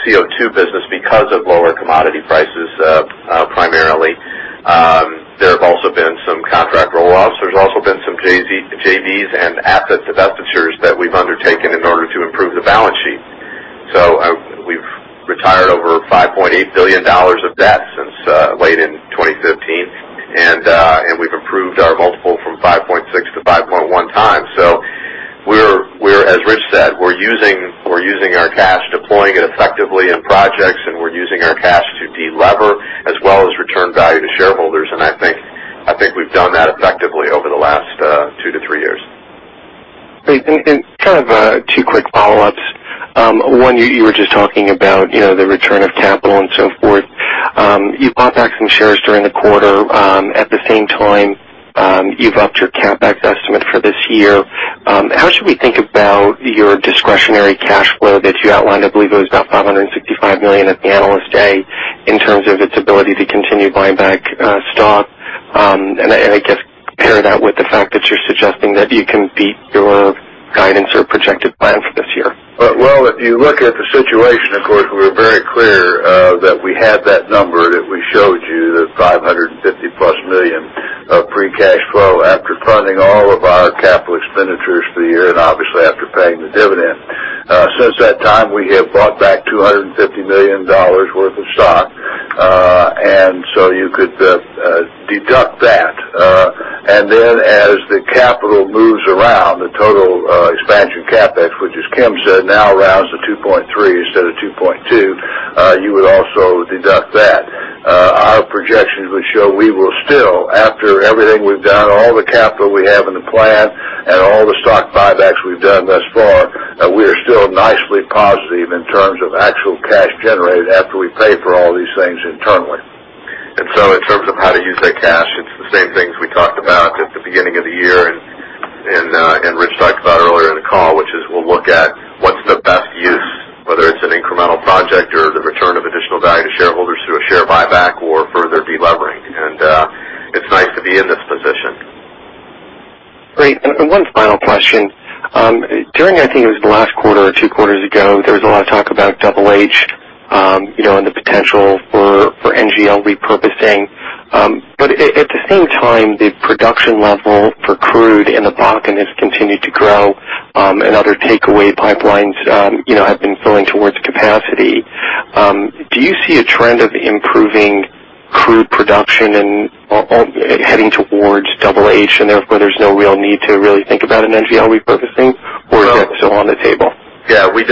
CO2 business because of lower commodity prices primarily. There have also been some contract roll-offs. There's also been some JVs and asset divestitures that we've undertaken in order to improve the balance sheet. We've retired over $5.8 billion of debt since late in 2015, and we've improved our multiple from 5.6 to 5.1 times. As Rich Kinder said, we're using our cash, deploying it effectively in projects, and we're using our cash to de-lever, as well as return value to shareholders, and I think we've done that effectively over the last two to three years. Great. Two quick follow-ups. One, you were just talking about the return of capital and so forth. You bought back some shares during the quarter. At the same time, you've upped your CapEx estimate for this year. How should we think about your discretionary cash flow that you outlined, I believe it was about $565 million at the Analyst Day, in terms of its ability to continue buying back stock? I guess pair that with the fact that you're suggesting that you can beat your guidance or projected plan for this year. Well, if you look at the situation, of course, we were very clear that we had that number that we showed you, the $550-plus million of free cash flow after funding all of our capital expenditures for the year and obviously after paying the dividend. Since that time, we have bought back $250 million worth of stock. You could deduct that. Then as the capital moves around, the total expansion CapEx, which as Kim Dang said, now rounds to 2.3 instead of 2.2, you would also deduct that. Our projections would show we will still, after everything we've done, all the capital we have in the plan and all the stock buybacks we've done thus far, we are still nicely positive in terms of actual cash generated after we pay for all these things internally. In terms of how to use that cash, it's the same things we talked about at the beginning of the year and Rich Kinder talked about earlier in the call, which is we'll look at what's the best use, whether it's an incremental project or the return of additional value to shareholders through a share buyback or further de-levering. It's nice to be in this position. Great. One final question. During, I think it was the last quarter or two quarters ago, there was a lot of talk about Double H, and the potential for NGL repurposing. At the same time, the production level for crude in the Bakken has continued to grow, and other takeaway pipelines have been filling towards capacity. Do you see a trend of improving crude production and heading towards Double H, and therefore there's no real need to really think about an NGL repurposing? Or is that still on the table? Yeah, we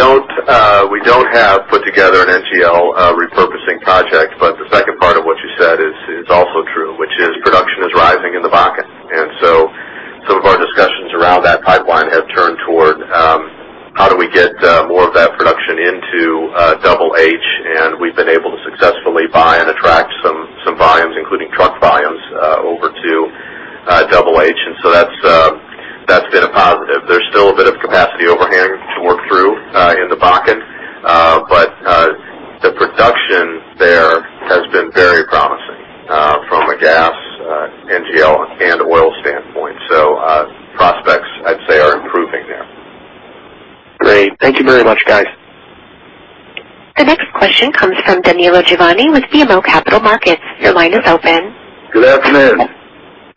don't have put together an NGL repurposing project. Discussions around that pipeline have turned toward how do we get more of that production into Double H, and we've been able to successfully buy and attract some volumes, including truck volumes, over to Double H. That's been a positive. There's still a bit of capacity overhang to work through in the Bakken. The production there has been very promising from a gas, NGL, and oil standpoint. Prospects, I'd say, are improving there. Great. Thank you very much, guys. The next question comes from Danilo Juvane with BMO Capital Markets. Your line is open. Good afternoon.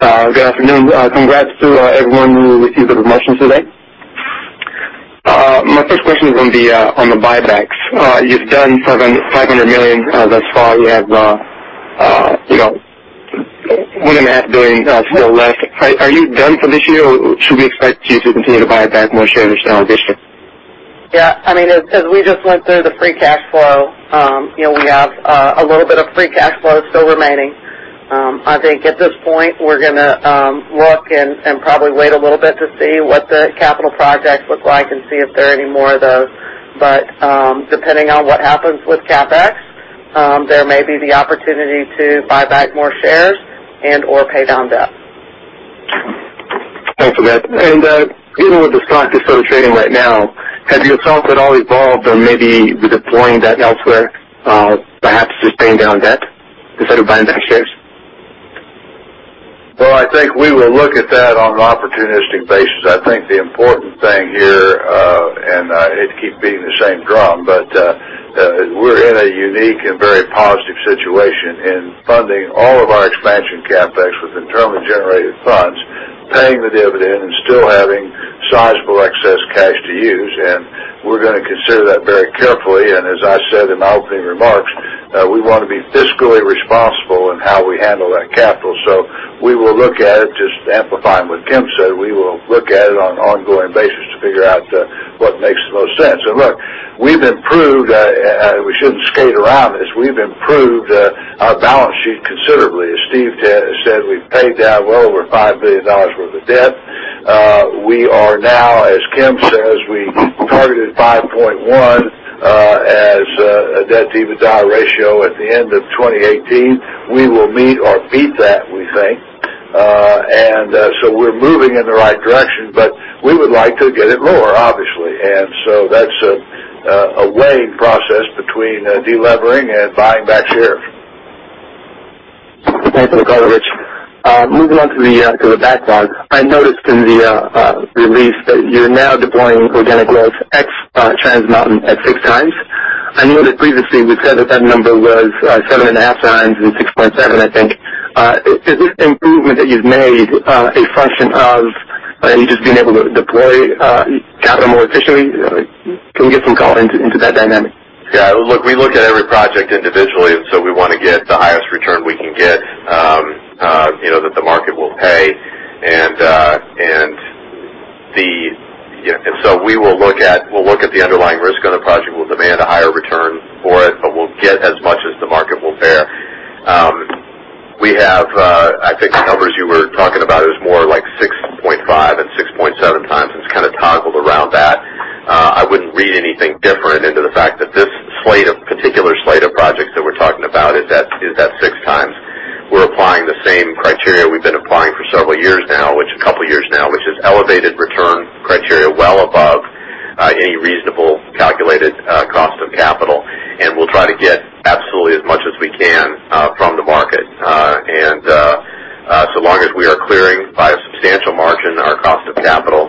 Good afternoon. Congrats to everyone with emotions today. My first question is on the buybacks. You've done $500 million thus far. You have $1.5 billion still left. Are you done for this year, or should we expect you to continue to buy back more shares this year? Yeah, as we just went through the free cash flow, we have a little bit of free cash flow still remaining. I think at this point, we're going to look and probably wait a little bit to see what the capital projects look like and see if there are any more of those. Depending on what happens with CapEx, there may be the opportunity to buy back more shares and/or pay down debt. Thanks for that. Given where the stock is sort of trading right now, have your thoughts at all evolved on maybe deploying that elsewhere perhaps just paying down debt instead of buying back shares? I think we will look at that on an opportunistic basis. I think the important thing here, and I hate to keep beating the same drum, but we're in a unique and very positive situation in funding all of our expansion CapEx with internally generated funds, paying the dividend, and still having sizable excess cash to use, we're going to consider that very carefully. As I said in my opening remarks, we want to be fiscally responsible in how we handle that capital. We will look at it, just amplifying what Kim said, we will look at it on an ongoing basis to figure out what makes the most sense. Look, we shouldn't skate around this. We've improved our balance sheet considerably. As Steve said, we've paid down well over $5 billion worth of debt. We are now, as Kim says, we targeted 5.1 as a debt-to-EBITDA ratio at the end of 2018. We will meet or beat that, we think. We're moving in the right direction, but we would like to get it lower, obviously. That's a weighing process between de-levering and buying back shares. Thanks, Rich. Rich, moving on to the backlog. I noticed in the release that you're now deploying organic growth ex Trans Mountain at 6 times. I know that previously we said that that number was 7.5 times and 6.7, I think. Is this improvement that you've made a function of you just being able to deploy capital more efficiently? Can we get some color into that dynamic? Look, we look at every project individually, we want to get the highest return we can get that the market will pay. We'll look at the underlying risk on a project. We'll demand a higher return for it, but we'll get as much as the market will bear. I think the numbers you were talking about is more like 6.5 and 6.7 times, and it's kind of toggled around that. I wouldn't read anything different into the fact that this particular slate of projects that we're talking about is at 6 times. We're applying the same criteria we've been applying for several years now, a couple of years now, which is elevated return criteria well above any reasonable calculated cost of capital. We'll try to get absolutely as much as we can from the market. Long as we are clearing by a substantial margin our cost of capital,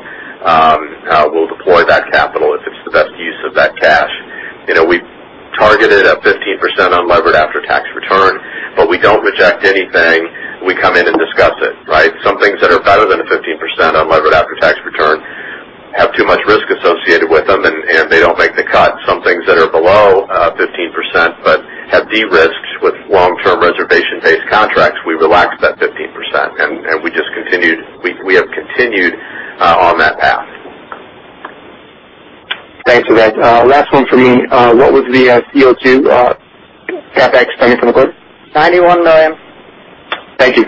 we'll deploy that capital if it's the best use of that cash. We targeted a 15% unlevered after-tax return. We don't reject anything. We come in and discuss it, right? Some things that are better than a 15% unlevered after-tax return have too much risk associated with them, and they don't make the cut. Some things that are below 15% but have de-risked with long-term reservation-based contracts, we relaxed that 15%. We have continued on that path. Thanks, Rich. Last one from me. What was the CO2 CapEx spend from the quarter? $91 million. Thank you.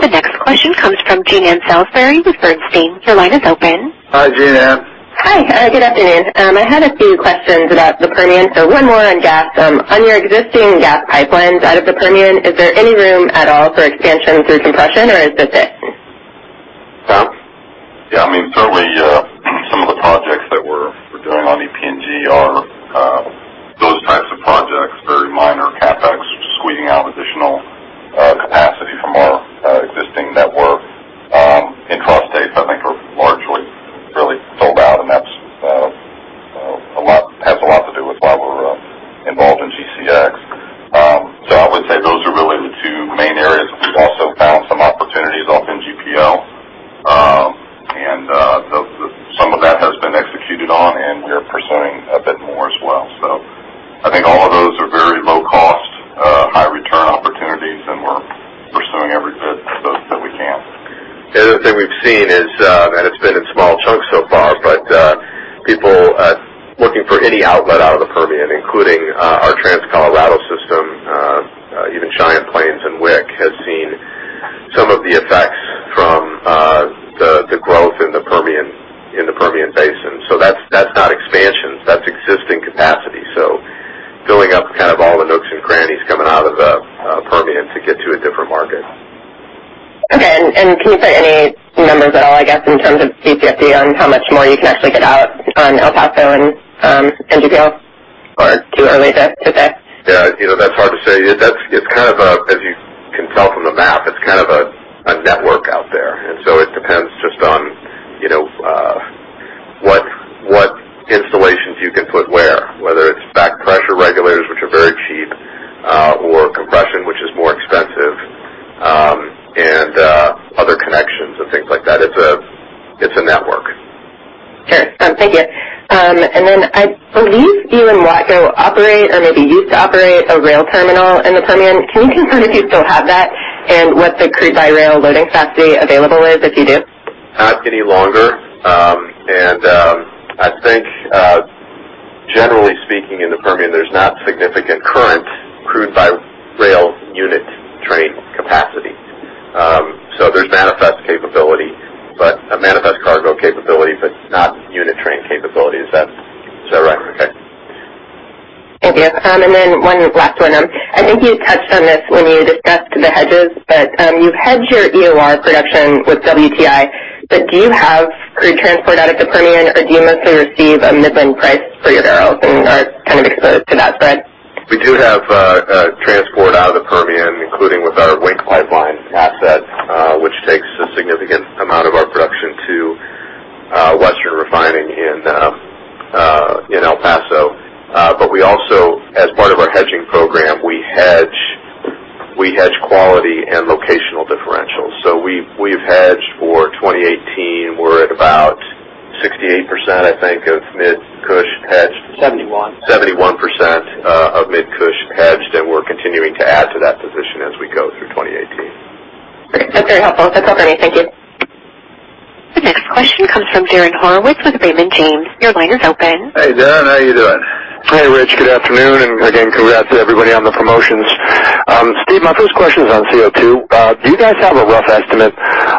The next question comes from Jean Ann Salisbury with Bernstein. Your line is open. Hi, Jean Ann. Hi. Good afternoon. I had a few questions about the Permian, one more on gas. On your existing gas pipelines out of the Permian, is there any room at all for expansion through compression, or is this it? Tom? Yeah, certainly some of the projects that we're doing on EPNG are those types of projects, very minor CapEx, just squeezing out additional capacity from our existing network. In Texas intrastates, I think we're largely really sold out, that has a lot to do with why we're involved in GCX. I would say those are really the two main areas, we've also found some opportunities off in NGPL. Some of that has been executed on, we're pursuing a bit more as well. I think all of those are very low-cost, high-return opportunities, we're pursuing every bit of those that we can. The other thing we've seen is, it's been in small chunks so far, people are looking for any outlet out of the Permian, including Even Cheyenne Plains and WIC has seen some of the effects from the growth in the Permian Basin. That's not expansions. That's existing capacity. Filling up all the nooks and crannies coming out of the Permian to get to a different market. Okay. Can you put any numbers at all, I guess, in terms of TPFD on how much more you can actually get out on El Paso and DDL? Too early to say? That's hard to say. As you can tell from the map, it's a network out there, it depends just on what installations you can put where, whether it's back pressure regulators, which are very cheap, or compression, which is more expensive, and other connections and things like that. It's a network. Sure. Thank you. I believe you and Watco operate or maybe used to operate a rail terminal in the Permian. Can you confirm if you still have that and what the crude by rail loading capacity available is if you do? Not any longer. I think, generally speaking, in the Permian, there's not significant current crude by rail unit train capacity. There's manifest cargo capability, but not unit train capability. Is that right? Okay. Thank you. Then one last one. I think you touched on this when you discussed the hedges, you've hedged your EOR production with WTI, do you have crude transport out of the Permian, or do you mostly receive a Midland price for your barrels and are exposed to that spread? We do have transport out of the Permian, including with our Wink Pipeline assets, which takes a significant amount of our production to Western Refining in El Paso. We also, as part of our hedging program, we hedge quality and locational differentials. We've hedged for 2018. We're at about 68%, I think, of Mid-Cush hedged. 71. 71% of Mid-Cush hedged, we're continuing to add to that position as we go through 2018. Great. That's very helpful. That's all for me. Thank you. The next question comes from Darren Horowitz with Raymond James. Your line is open. Hey, Darren, how you doing? Hey, Rich. Good afternoon, and again, congrats to everybody on the promotions. Steve, my first question is on CO2. Do you guys have a rough estimate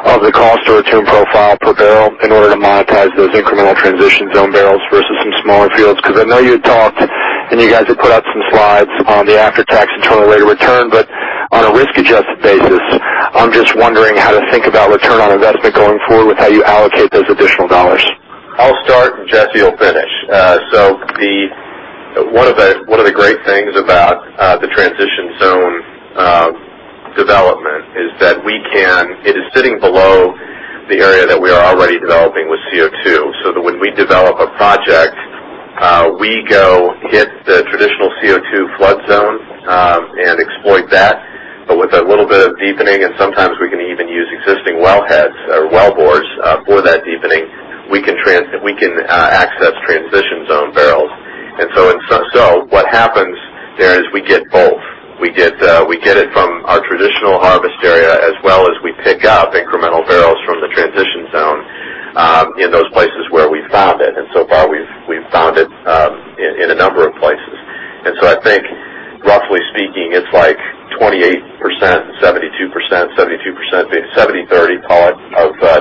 of the cost or return profile per barrel in order to monetize those incremental transition zone barrels versus some smaller fields? Because I know you talked, and you guys have put out some slides on the after-tax internal rate of return. But on a risk-adjusted basis, I'm just wondering how to think about return on investment going forward with how you allocate those additional dollars. I'll start and Jesse will finish. One of the great things about the transition zone development is that it is sitting below the area that we are already developing with CO2. When we develop a project, we go hit the traditional CO2 flood zone and exploit that. With a little bit of deepening, and sometimes we can even use existing wellheads or well bores for that deepening, we can access transition zone barrels. What happens there is we get both. We get it from our traditional harvest area, as well as we pick up incremental barrels from the transition zone in those places where we've found it, and so far, we've found it in a number of places. I think roughly speaking, it's like 28%, 72%, 70/30 of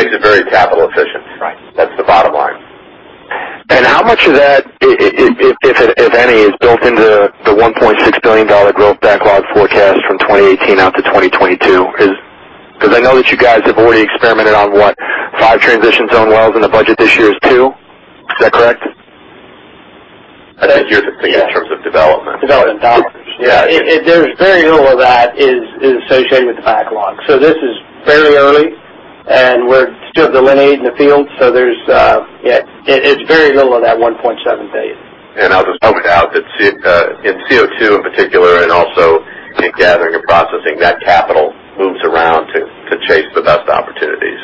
traditional CO2 flood recovery with another 30% transition zone coming from that deepening. Is that about right, Jesse? That's right. That makes it very capital efficient. Right. That's the bottom line. How much of that, if any, is built into the $1.6 billion growth backlog forecast from 2018 out to 2022? I know that you guys have already experimented on what five transition zone wells in the budget this year is too. Is that correct? I think you're thinking in terms of development. Development dollars. Yeah. There's very little of that is associated with the backlog. This is very early, and we're still delineating the field, it's very little of that $1.7 billion. I'll just point out that in CO2 in particular and also in gathering and processing, that capital moves around to chase the best opportunities.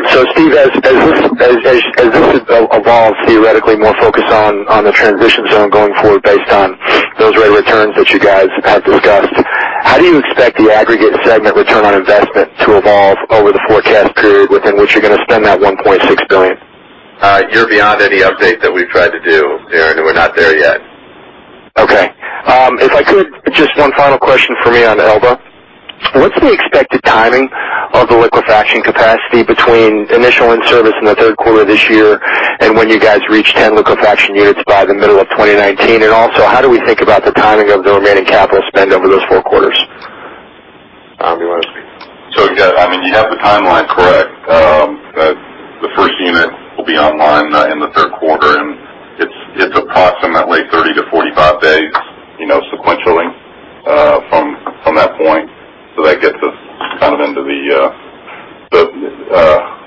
Steve, as this evolves theoretically more focused on the transition zone going forward based on those rate returns that you guys have discussed, how do you expect the aggregate segment return on investment to evolve over the forecast period within which you're going to spend that $1.6 billion? You're beyond any update that we've tried to do, Darren. We're not there yet. Okay. If I could, just one final question for me on Elba. What's the expected timing of the liquefaction capacity between initial in-service in the third quarter this year and when you guys reach 10 liquefaction units by the middle of 2019? How do we think about the timing of the remaining capital spend over those four quarters? You want to speak? I mean, you have the timeline correct. The first unit will be online in the third quarter, and it's approximately 30 to 45 days sequentially from that point. That gets us into the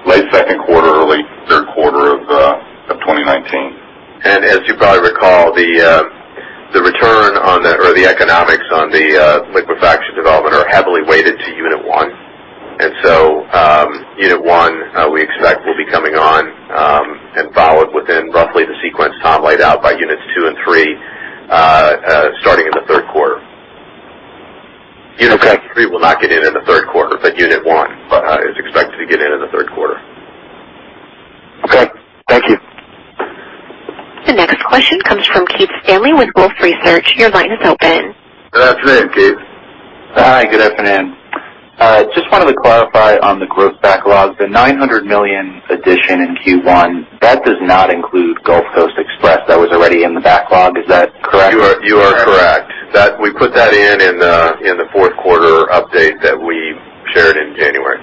late second quarter, early third quarter of 2019. As you probably recall, the return or the economics on the liquefaction development are heavily weighted to unit one. Unit one, we expect will be coming on Unit 3 will not get in in the third quarter, Unit 1 is expected to get in in the third quarter. Okay. Thank you. The next question comes from Keith Stanley with Wolfe Research. Your line is open. Good afternoon, Keith. Hi. Good afternoon. Just wanted to clarify on the growth backlog, the $900 million addition in Q1, that does not include Gulf Coast Express that was already in the backlog. Is that correct? You are correct. We put that in in the fourth quarter update that we shared in January.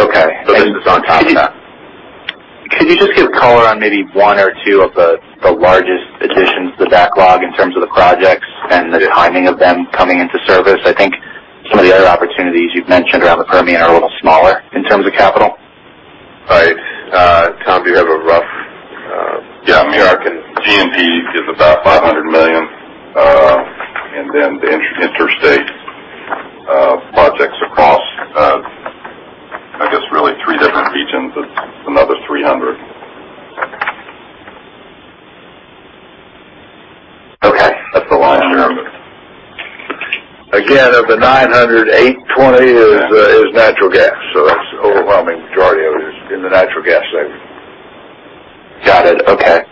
Okay. This is on top of that. Could you just give color on maybe one or two of the largest additions to the backlog in terms of the projects and the timing of them coming into service? I think some of the other opportunities you've mentioned around the Permian are a little smaller in terms of capital. Right. Tom, do you have a rough New York and GNP is about $500 million. Then the interstate projects across, I guess, really three different regions is another $300. Okay. That's the last number. Again, of the 900, 820 is natural gas. That's the overwhelming majority of it is in the natural gas segment. Got it. Okay.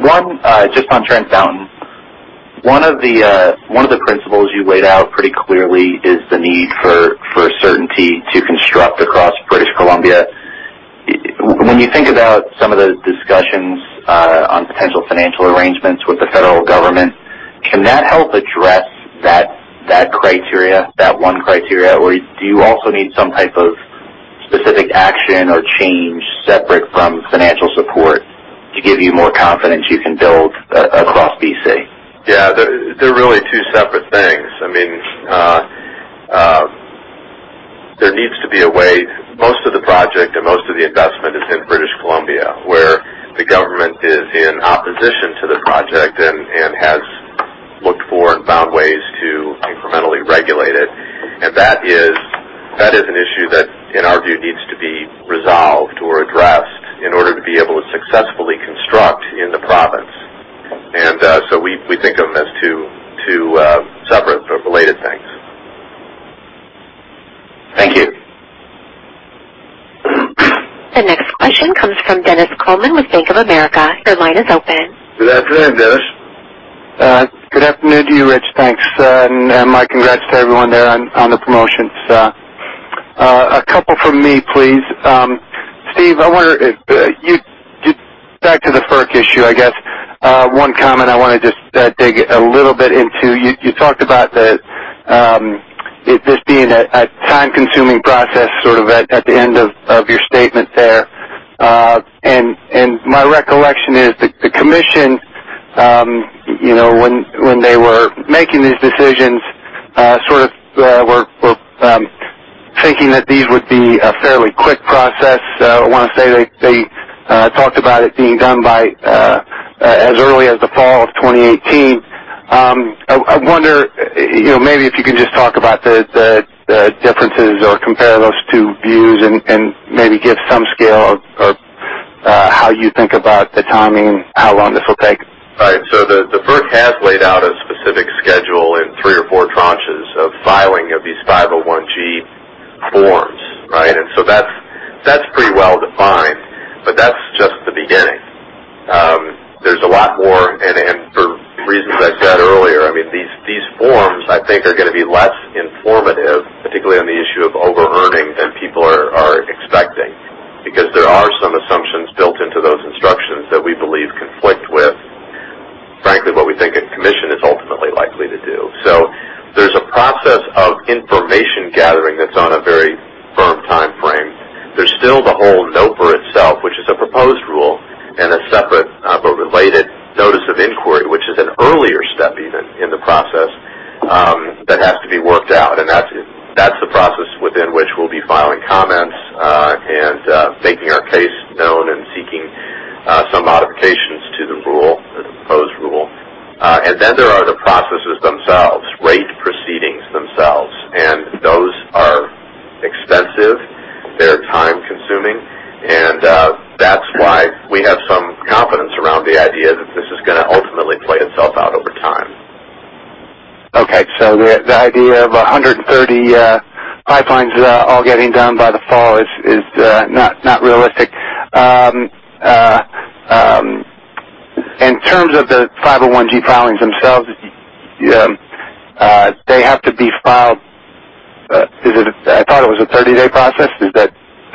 One, just on Trans Mountain. One of the principles you laid out pretty clearly is the need for certainty to construct across British Columbia. When you think about some of the discussions on potential financial arrangements with the federal government, can that help address that criteria, that one criteria, or do you also need some type of specific action or change separate from financial support to give you more confidence you can build across B.C.? Yeah, they're really two separate things. There needs to be a way. Most of the project and most of the investment is in British Columbia, where the government is in opposition to the project and has looked for and found ways to incrementally regulate it. That is an issue that, in our view, needs to be resolved or addressed in order to be able to successfully construct in the province. We think of them as two separate but related things. Thank you. The next question comes from Dennis Coleman with Bank of America. Your line is open. Good afternoon, Dennis. Good afternoon to you, Rich. Thanks. My congrats to everyone there on the promotions. A couple from me, please. Steve, back to the FERC issue, I guess. One comment I want to just dig a little bit into. You talked about this being a time-consuming process sort of at the end of your statement there. My recollection is the commission when they were making these decisions sort of were thinking that these would be a fairly quick process. I want to say they talked about it being done as early as the fall of 2018. I wonder maybe if you can just talk about the differences or compare those two views and maybe give some scale of how you think about the timing, how long this will take. Right. The FERC has laid out a specific schedule in three or four tranches of filing of these 501-G forms. Right? That's pretty well-defined, but that's just the beginning. There's a lot more, and for reasons I said earlier, these forms, I think, are going to be less informative, particularly on the issue of over-earning than people are expecting because there are some assumptions built into those instructions that we believe conflict with, frankly, what we think a commission is ultimately likely to do. There's a process of information gathering that's on a very firm timeframe. There's still the whole NOPR itself, which is a proposed rule, and a separate but related notice of inquiry, which is an earlier step even in the process that has to be worked out, and that's the process within which we'll be filing comments and making our case known and seeking some modifications to the rule or the proposed rule. Then there are the processes themselves, rate proceedings themselves, and those are expensive. They're time-consuming, and that's why we have some confidence around the idea that this is going to ultimately play itself out over time. Okay. The idea of 130 pipelines all getting done by the fall is not realistic. In terms of the 501G filings themselves, they have to be filed I thought it was a 30-day process.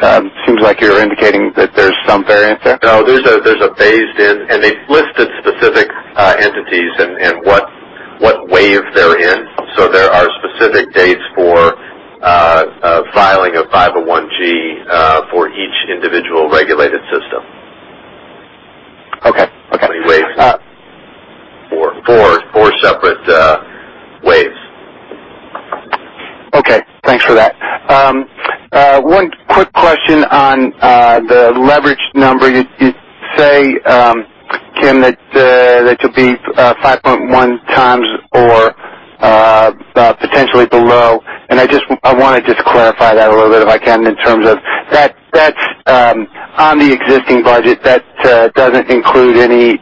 It seems like you're indicating that there's some variance there. No, there's a phased in, they've listed specific entities and what wave they're in. There are specific dates for filing a 501G for each individual regulated system. Okay. Four separate waves. Okay. Thanks for that. One quick question on the leverage number. You say, Kim, that you'll be 5.1 times or potentially below, and I want to just clarify that a little bit if I can in terms of that's on the existing budget, that doesn't include any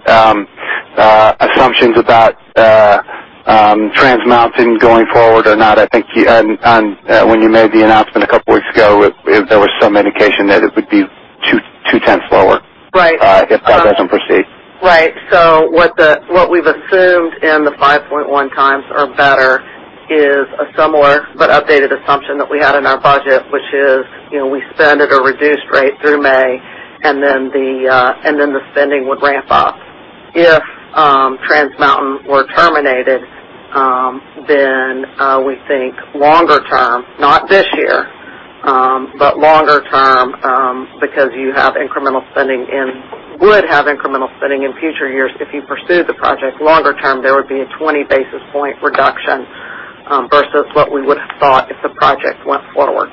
assumptions about Trans Mountain going forward or not. I think when you made the announcement a couple weeks ago, there was some indication that it would be 0.2 lower. Right. If that doesn't proceed. Right. What we've assumed in the 5.1 times or better is a similar but updated assumption that we had in our budget, which is we spend at a reduced rate through May, and the spending would ramp up. If Trans Mountain were terminated, we think longer term, not this year, but longer term because you would have incremental spending in future years. If you pursued the project longer term, there would be a 20 basis point reduction versus what we would have thought if the project went forward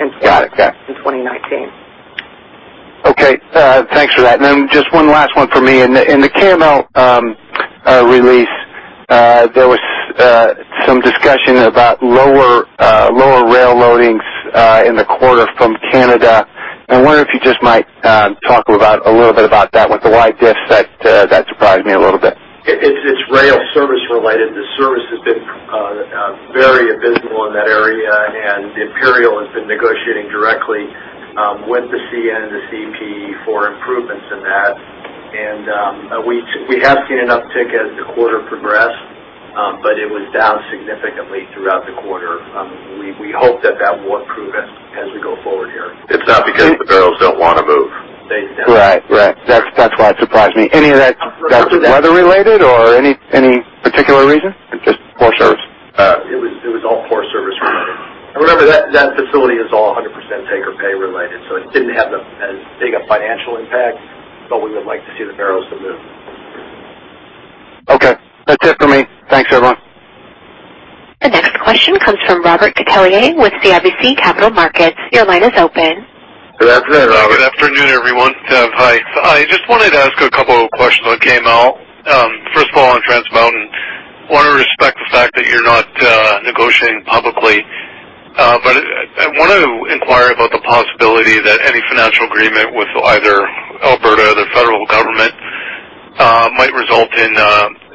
in 2019. Okay. Thanks for that. Just one last one for me. In the KML release, there was some discussion about lower rail loadings in the quarter from Canada. I wonder if you just might talk a little bit about that one. Why this? That surprised me a little bit. It's rail service related. The service has been very abysmal in that area. Imperial has been negotiating directly with the CN and the CP for improvements in that. We have seen an uptick as the quarter progressed, but it was down significantly throughout the quarter. We hope that that will improve as we go forward here. It's not because the barrels don't want to move. They don't. Right. That's why it surprised me. Any of that weather related or any particular reason, or just poor service? It was all poor service related. Remember, that facility is all 100% take or pay related, it didn't have as big a financial impact, we would like to see the barrels to move. Okay. That's it for me. Thanks, everyone. The next question comes from Robert Catellier with CIBC Capital Markets. Your line is open. Good afternoon, Robert. Good afternoon, everyone. Hi. I just wanted to ask a couple of questions on KML. First of all, on Trans Mountain. Want to respect the fact that you're not negotiating publicly. I want to inquire about the possibility that any financial agreement with either Alberta or the federal government might result in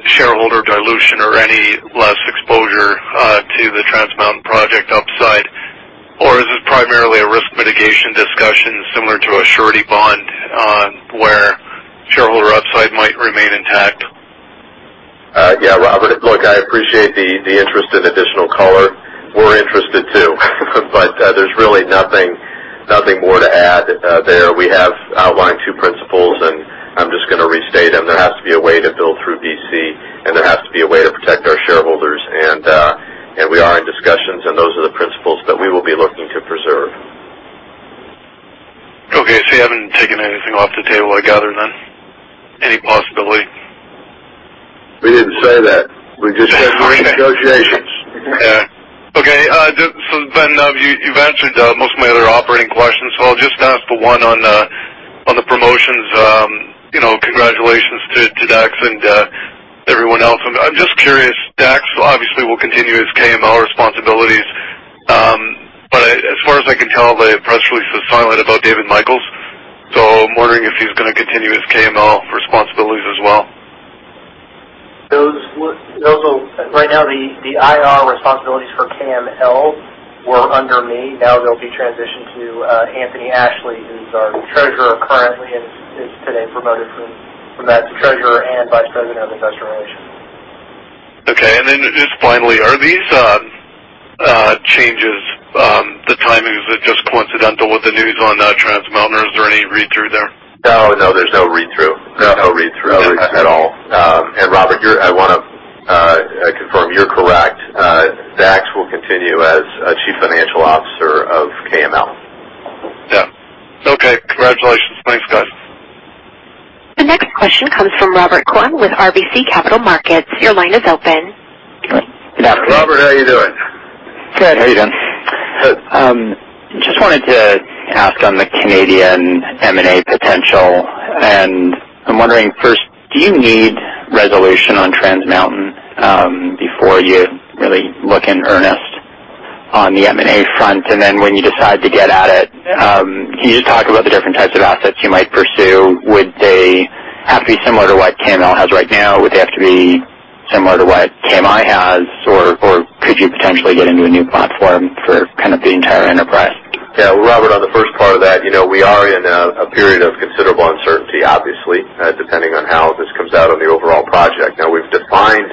shareholder dilution or any less exposure to the Trans Mountain project upside. Is this primarily a risk mitigation discussion similar to a surety bond, where shareholder upside might remain intact? Yeah, Robert. Look, I appreciate the interest in additional color. We're interested too, there's really nothing more to add there. We have outlined two principles, I'm just going to restate them. There has to be a way to build through BC, there has to be a way to protect our shareholders. We are in discussions, those are the principles that we will be looking to preserve. Okay. You haven't taken anything off the table I gather then? Any possibility? We didn't say that. We just said we're in negotiations. Yeah. Okay. You've answered most of my other operating questions, I'll just ask the one on the promotions. Congratulations to Dax and everyone else. I'm just curious, Dax obviously will continue his KML responsibilities. As far as I can tell, the press release was silent about David Michels. I'm wondering if he's going to continue his KML responsibilities as well. Right now, the IR responsibilities for KML were under me. Now they'll be transitioned to Anthony Ashley, who's our Treasurer currently, and is today promoted from that to Treasurer and Vice President of Investor Relations. Okay. Just finally, are these changes, the timings are just coincidental with the news on Trans Mountain, or is there any read through there? No, there's no read through. No. No read through at all. Robert, I want to confirm you're correct. Dax will continue as Chief Financial Officer of KML. Yeah. Okay. Congratulations. Thanks, guys. The next question comes from Robert Kwan with RBC Capital Markets. Your line is open. Robert, how are you doing? Good. How are you doing? Good. Just wanted to ask on the Canadian M&A potential. I'm wondering first, do you need resolution on Trans Mountain before you really look in earnest on the M&A front? Then when you decide to get at it, can you just talk about the different types of assets you might pursue? Would they have to be similar to what KML has right now? Would they have to be similar to what KMI has, or could you potentially get into a new platform for kind of the entire enterprise? Yeah. Robert, on the first part of that, we are in a period of considerable uncertainty, obviously, depending on how this comes out on the overall project. We've closely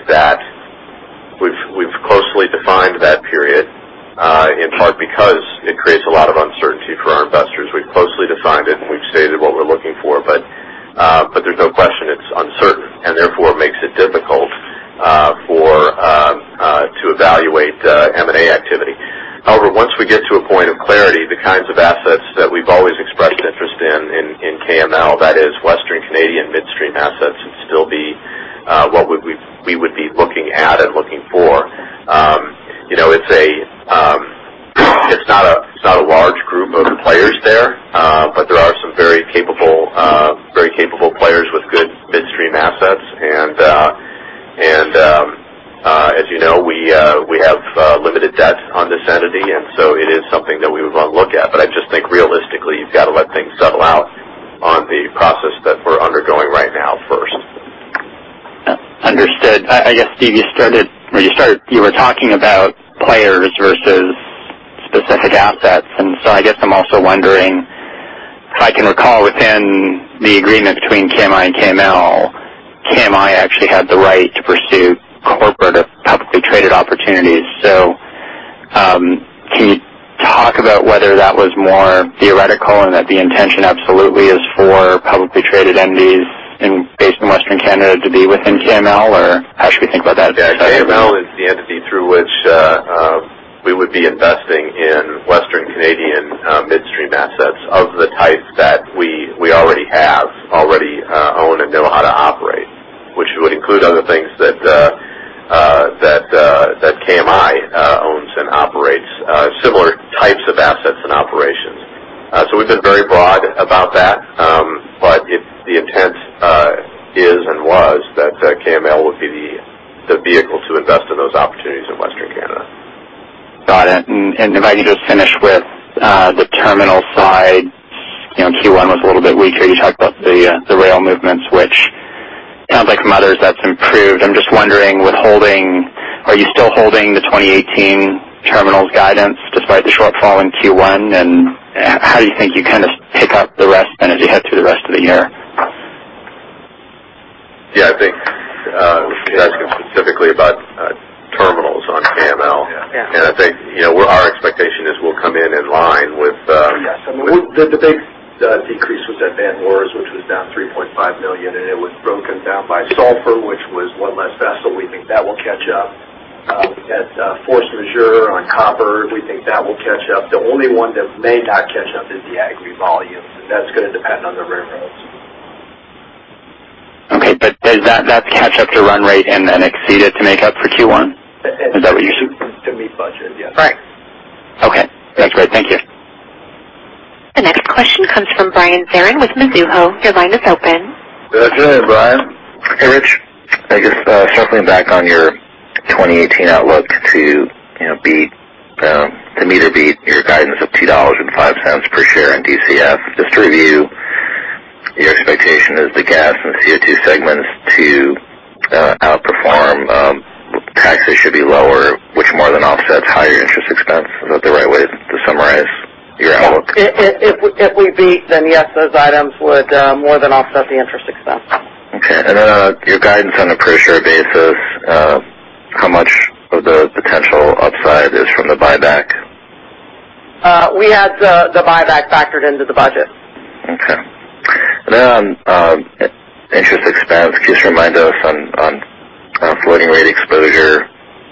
defined that period, in part because it creates a lot of uncertainty for our investors. We've closely defined it, and we've stated what we're looking for. There's no question it's uncertain and therefore makes it difficult to evaluate M&A activity. However, once we get to a point of clarity, the kinds of assets that we've always expressed an interest in in KML, that is Western Canadian midstream assets, would still be what we would be looking at and looking for. It's not a large group of players there. There are some very capable players with good midstream assets. As you know, we have limited debt on this entity, and so it is something that we would want to look at. I just think realistically, you've got to let things settle out on the process that we're undergoing right now first. Understood. I guess, Steve, you were talking about players versus specific assets, I guess I'm also wondering, if I can recall within the agreement between KMI and KML, KMI actually had the right to pursue corporate or publicly traded opportunities. Can you talk about whether that was more theoretical and that the intention absolutely is for publicly traded entities based in Western Canada to be within KML, or how should we think about that? Yeah. KML is the entity through which we would be investing in Western Canadian midstream assets of the type that we already have, already own, and know how to operate, which would include other things that KMI owns and operates. Similar types of assets and operations. We've been very broad about that. The intent is, and was, that KML would be the vehicle to invest in those opportunities in Western Canada. Got it. If I could just finish with the terminal side. Q1 was a little bit weaker. You talked about the rail movements, which sounds like from others, that's improved. I'm just wondering, are you still holding the 2018 terminals guidance despite the shortfall in Q1, how do you think you pick up the rest then as you head through the rest of the year? Yeah, I think you're asking specifically about terminals on KML. Yeah. I think, our expectation is we'll come in in line with. Yes. The big decrease was at Vancouver Wharves, which was down $3.5 million, and it was broken down by sulfur, which was one less vessel. We think that will catch up. We had force majeure on copper. We think that will catch up. The only one that may not catch up is the agri volume. That's going to depend on the railroads. Okay. Does that catch up to run rate and then exceed it to make up for Q1? Is that what you? To meet budget, yes. Right. Okay. That's great. Thank you. The next question comes from Brian Zarahn with Mizuho. Your line is open. Good afternoon, Brian. Hey, Rich. You're circling back on your 2018 outlook to meet or beat your guidance of $2.05 per share on DCF. Just to review, your expectation is the gas and CO2 segments to outperform. Taxes should be lower, which more than offsets higher interest expense. Is that the right way to summarize your outlook? If we beat, yes, those items would more than offset the interest expense. Okay. On your guidance on a per share basis, how much of the potential upside is from the buyback? We had the buyback factored into the budget. Okay. On interest expense, can you just remind us on floating rate exposure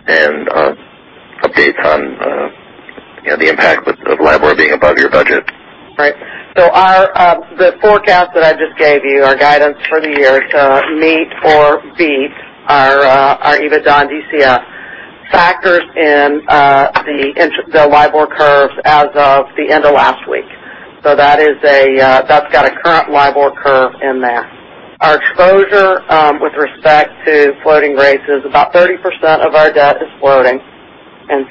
and updates on the impact with LIBOR being above your budget? Right. The forecast that I just gave you, our guidance for the year to meet or beat our EBITDA and DCF, factors in the LIBOR curve as of the end of last week. That's got a current LIBOR curve in there. Our exposure with respect to floating rates is about 30% of our debt is floating, and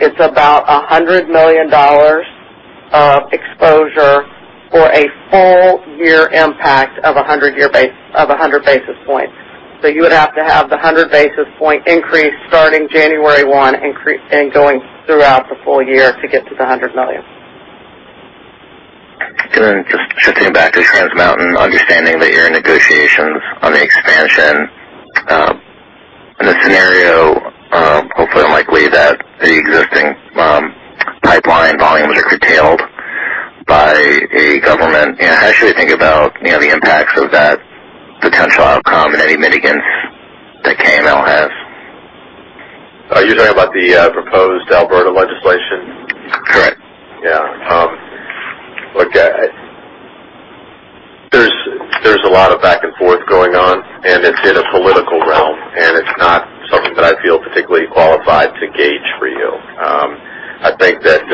it's about $100 million of exposure for a full year impact of 100 basis points. You would have to have the 100 basis point increase starting January 1, and going throughout the full year to get to the $100 million. Just shifting back to Trans Mountain, understanding that you're in negotiations on the expansion. In a scenario, hopefully unlikely, that the existing pipeline volumes are curtailed by a government, how should we think about the impacts of that potential outcome and any mitigants that KML has? Are you talking about the proposed Alberta legislation? Correct. Yeah. Look, there's a lot of back and forth going on, and it's in a political realm, and it's not something that I feel particularly qualified to gauge for you. I think that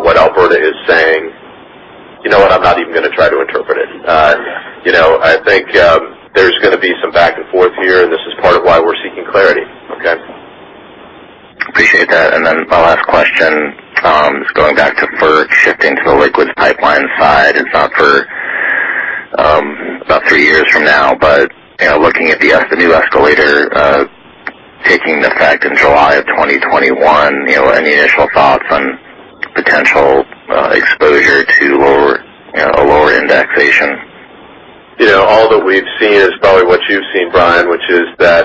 what Alberta is saying You know what? I'm not even going to try to interpret it. Yeah. I think there's going to be some back and forth here, this is part of why we're seeking clarity. Okay. Appreciate that. My last question is going back to FERC, shifting to the liquids pipeline side. It's not for about three years from now, looking at the new escalator taking effect in July of 2021, any initial thoughts on potential exposure to a lower indexation? All that we've seen is probably what you've seen, Brian, which is that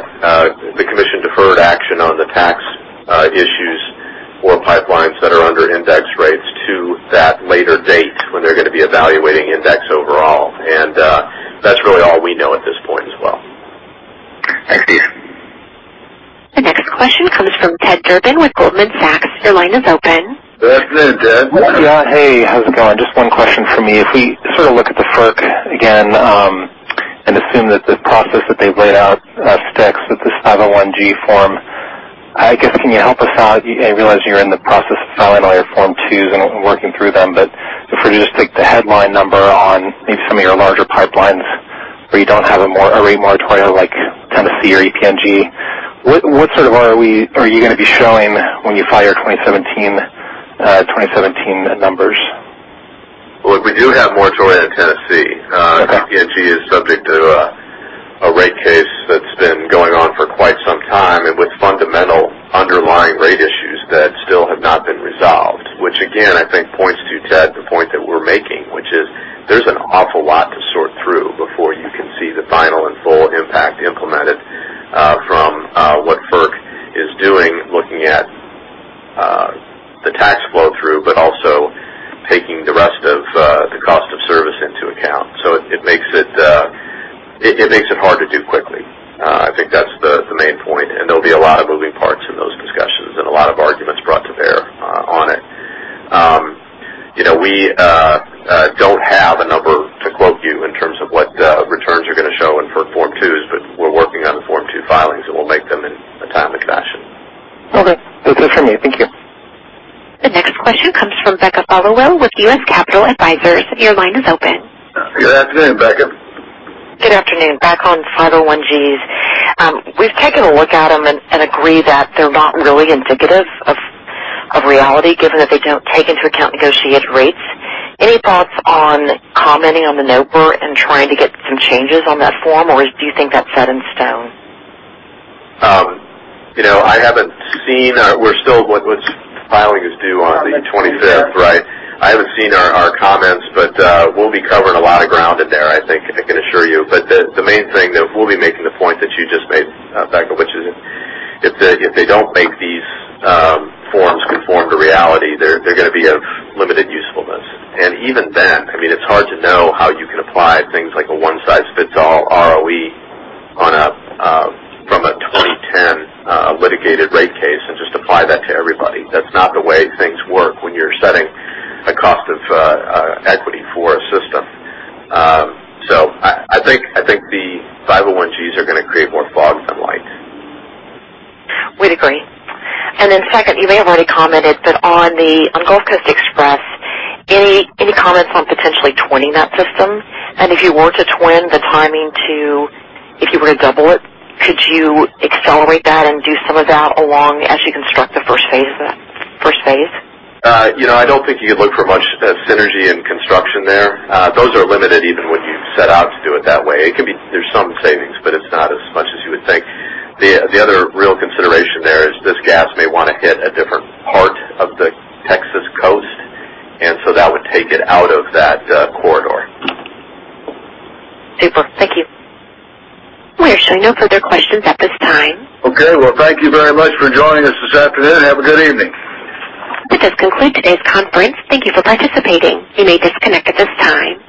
the commission deferred action on the tax issues for pipelines that are under index rates to that later date when they're going to be evaluating index overall. That's really all we know at this point as well. Thanks you. The next question comes from Ted Durbin with Goldman Sachs. Your line is open. Good afternoon, Ted. Yeah. Hey, how's it going? Just one question for me. If we look at the FERC again, assume that the process that they've laid out sticks with this Form No. 501-G, I guess, can you help us out? I realize you're in the process of filing all your Form No. 2s and working through them, The headline number on maybe some of your larger pipelines where you don't have a rate moratorium like Tennessee or EPNG. What sort of ROE are you going to be showing when you file your 2017 numbers? Look, we do have moratorium in Tennessee. Okay. EPNG is subject to a rate case that's been going on for quite some time, and with fundamental underlying rate issues that still have not been resolved, which again, I think points to, Ted, the point that we're making, which is there's an awful lot to sort through before you can see the final and full impact implemented from what FERC is doing, looking at the tax flow through, but also taking the rest of the cost of service into account. It makes it hard to do quickly. I think that's the main point, and there'll be a lot of moving parts in those discussions and a lot of arguments brought to bear on it. We don't have a number to quote you in terms of what returns are going to show in for Form 2s, but we're working on the Form 2 filings, and we'll make them in a timely fashion. Okay. That's it for me. Thank you. The next question comes from Becca Followill with US Capital Advisors. Your line is open. Good afternoon, Becca. Good afternoon. Back on 501-Gs. We've taken a look at them and agree that they're not really indicative of reality, given that they don't take into account negotiated rates. Any thoughts on commenting on the NOPR and trying to get some changes on that form, or do you think that's set in stone? The filing is due on the 25th, right? I haven't seen our comments, but we'll be covering a lot of ground in there, I think I can assure you. The main thing, though, we'll be making the point that you just made, Becca, which is if they don't make these forms conform to reality, they're going to be of limited usefulness. Even then, it's hard to know how you can apply things like a one-size-fits-all ROE from a 2010 litigated rate case and just apply that to everybody. That's not the way things work when you're setting a cost of equity for a system. I think the 501-Gs are going to create more fog than light. We'd agree. Then second, you may have already commented, but on Gulf Coast Express, any comments on potentially twinning that system? If you were to twin the timing to if you were to double it, could you accelerate that and do some of that along as you construct the first phase? I don't think you could look for much synergy in construction there. Those are limited even when you set out to do it that way. There's some savings, but it's not as much as you would think. The other real consideration there is this gas may want to hit a different part of the Texas coast, and so that would take it out of that corridor. Super. Thank you. We are showing no further questions at this time. Okay. Well, thank you very much for joining us this afternoon, and have a good evening. This does conclude today's conference. Thank you for participating. You may disconnect at this time.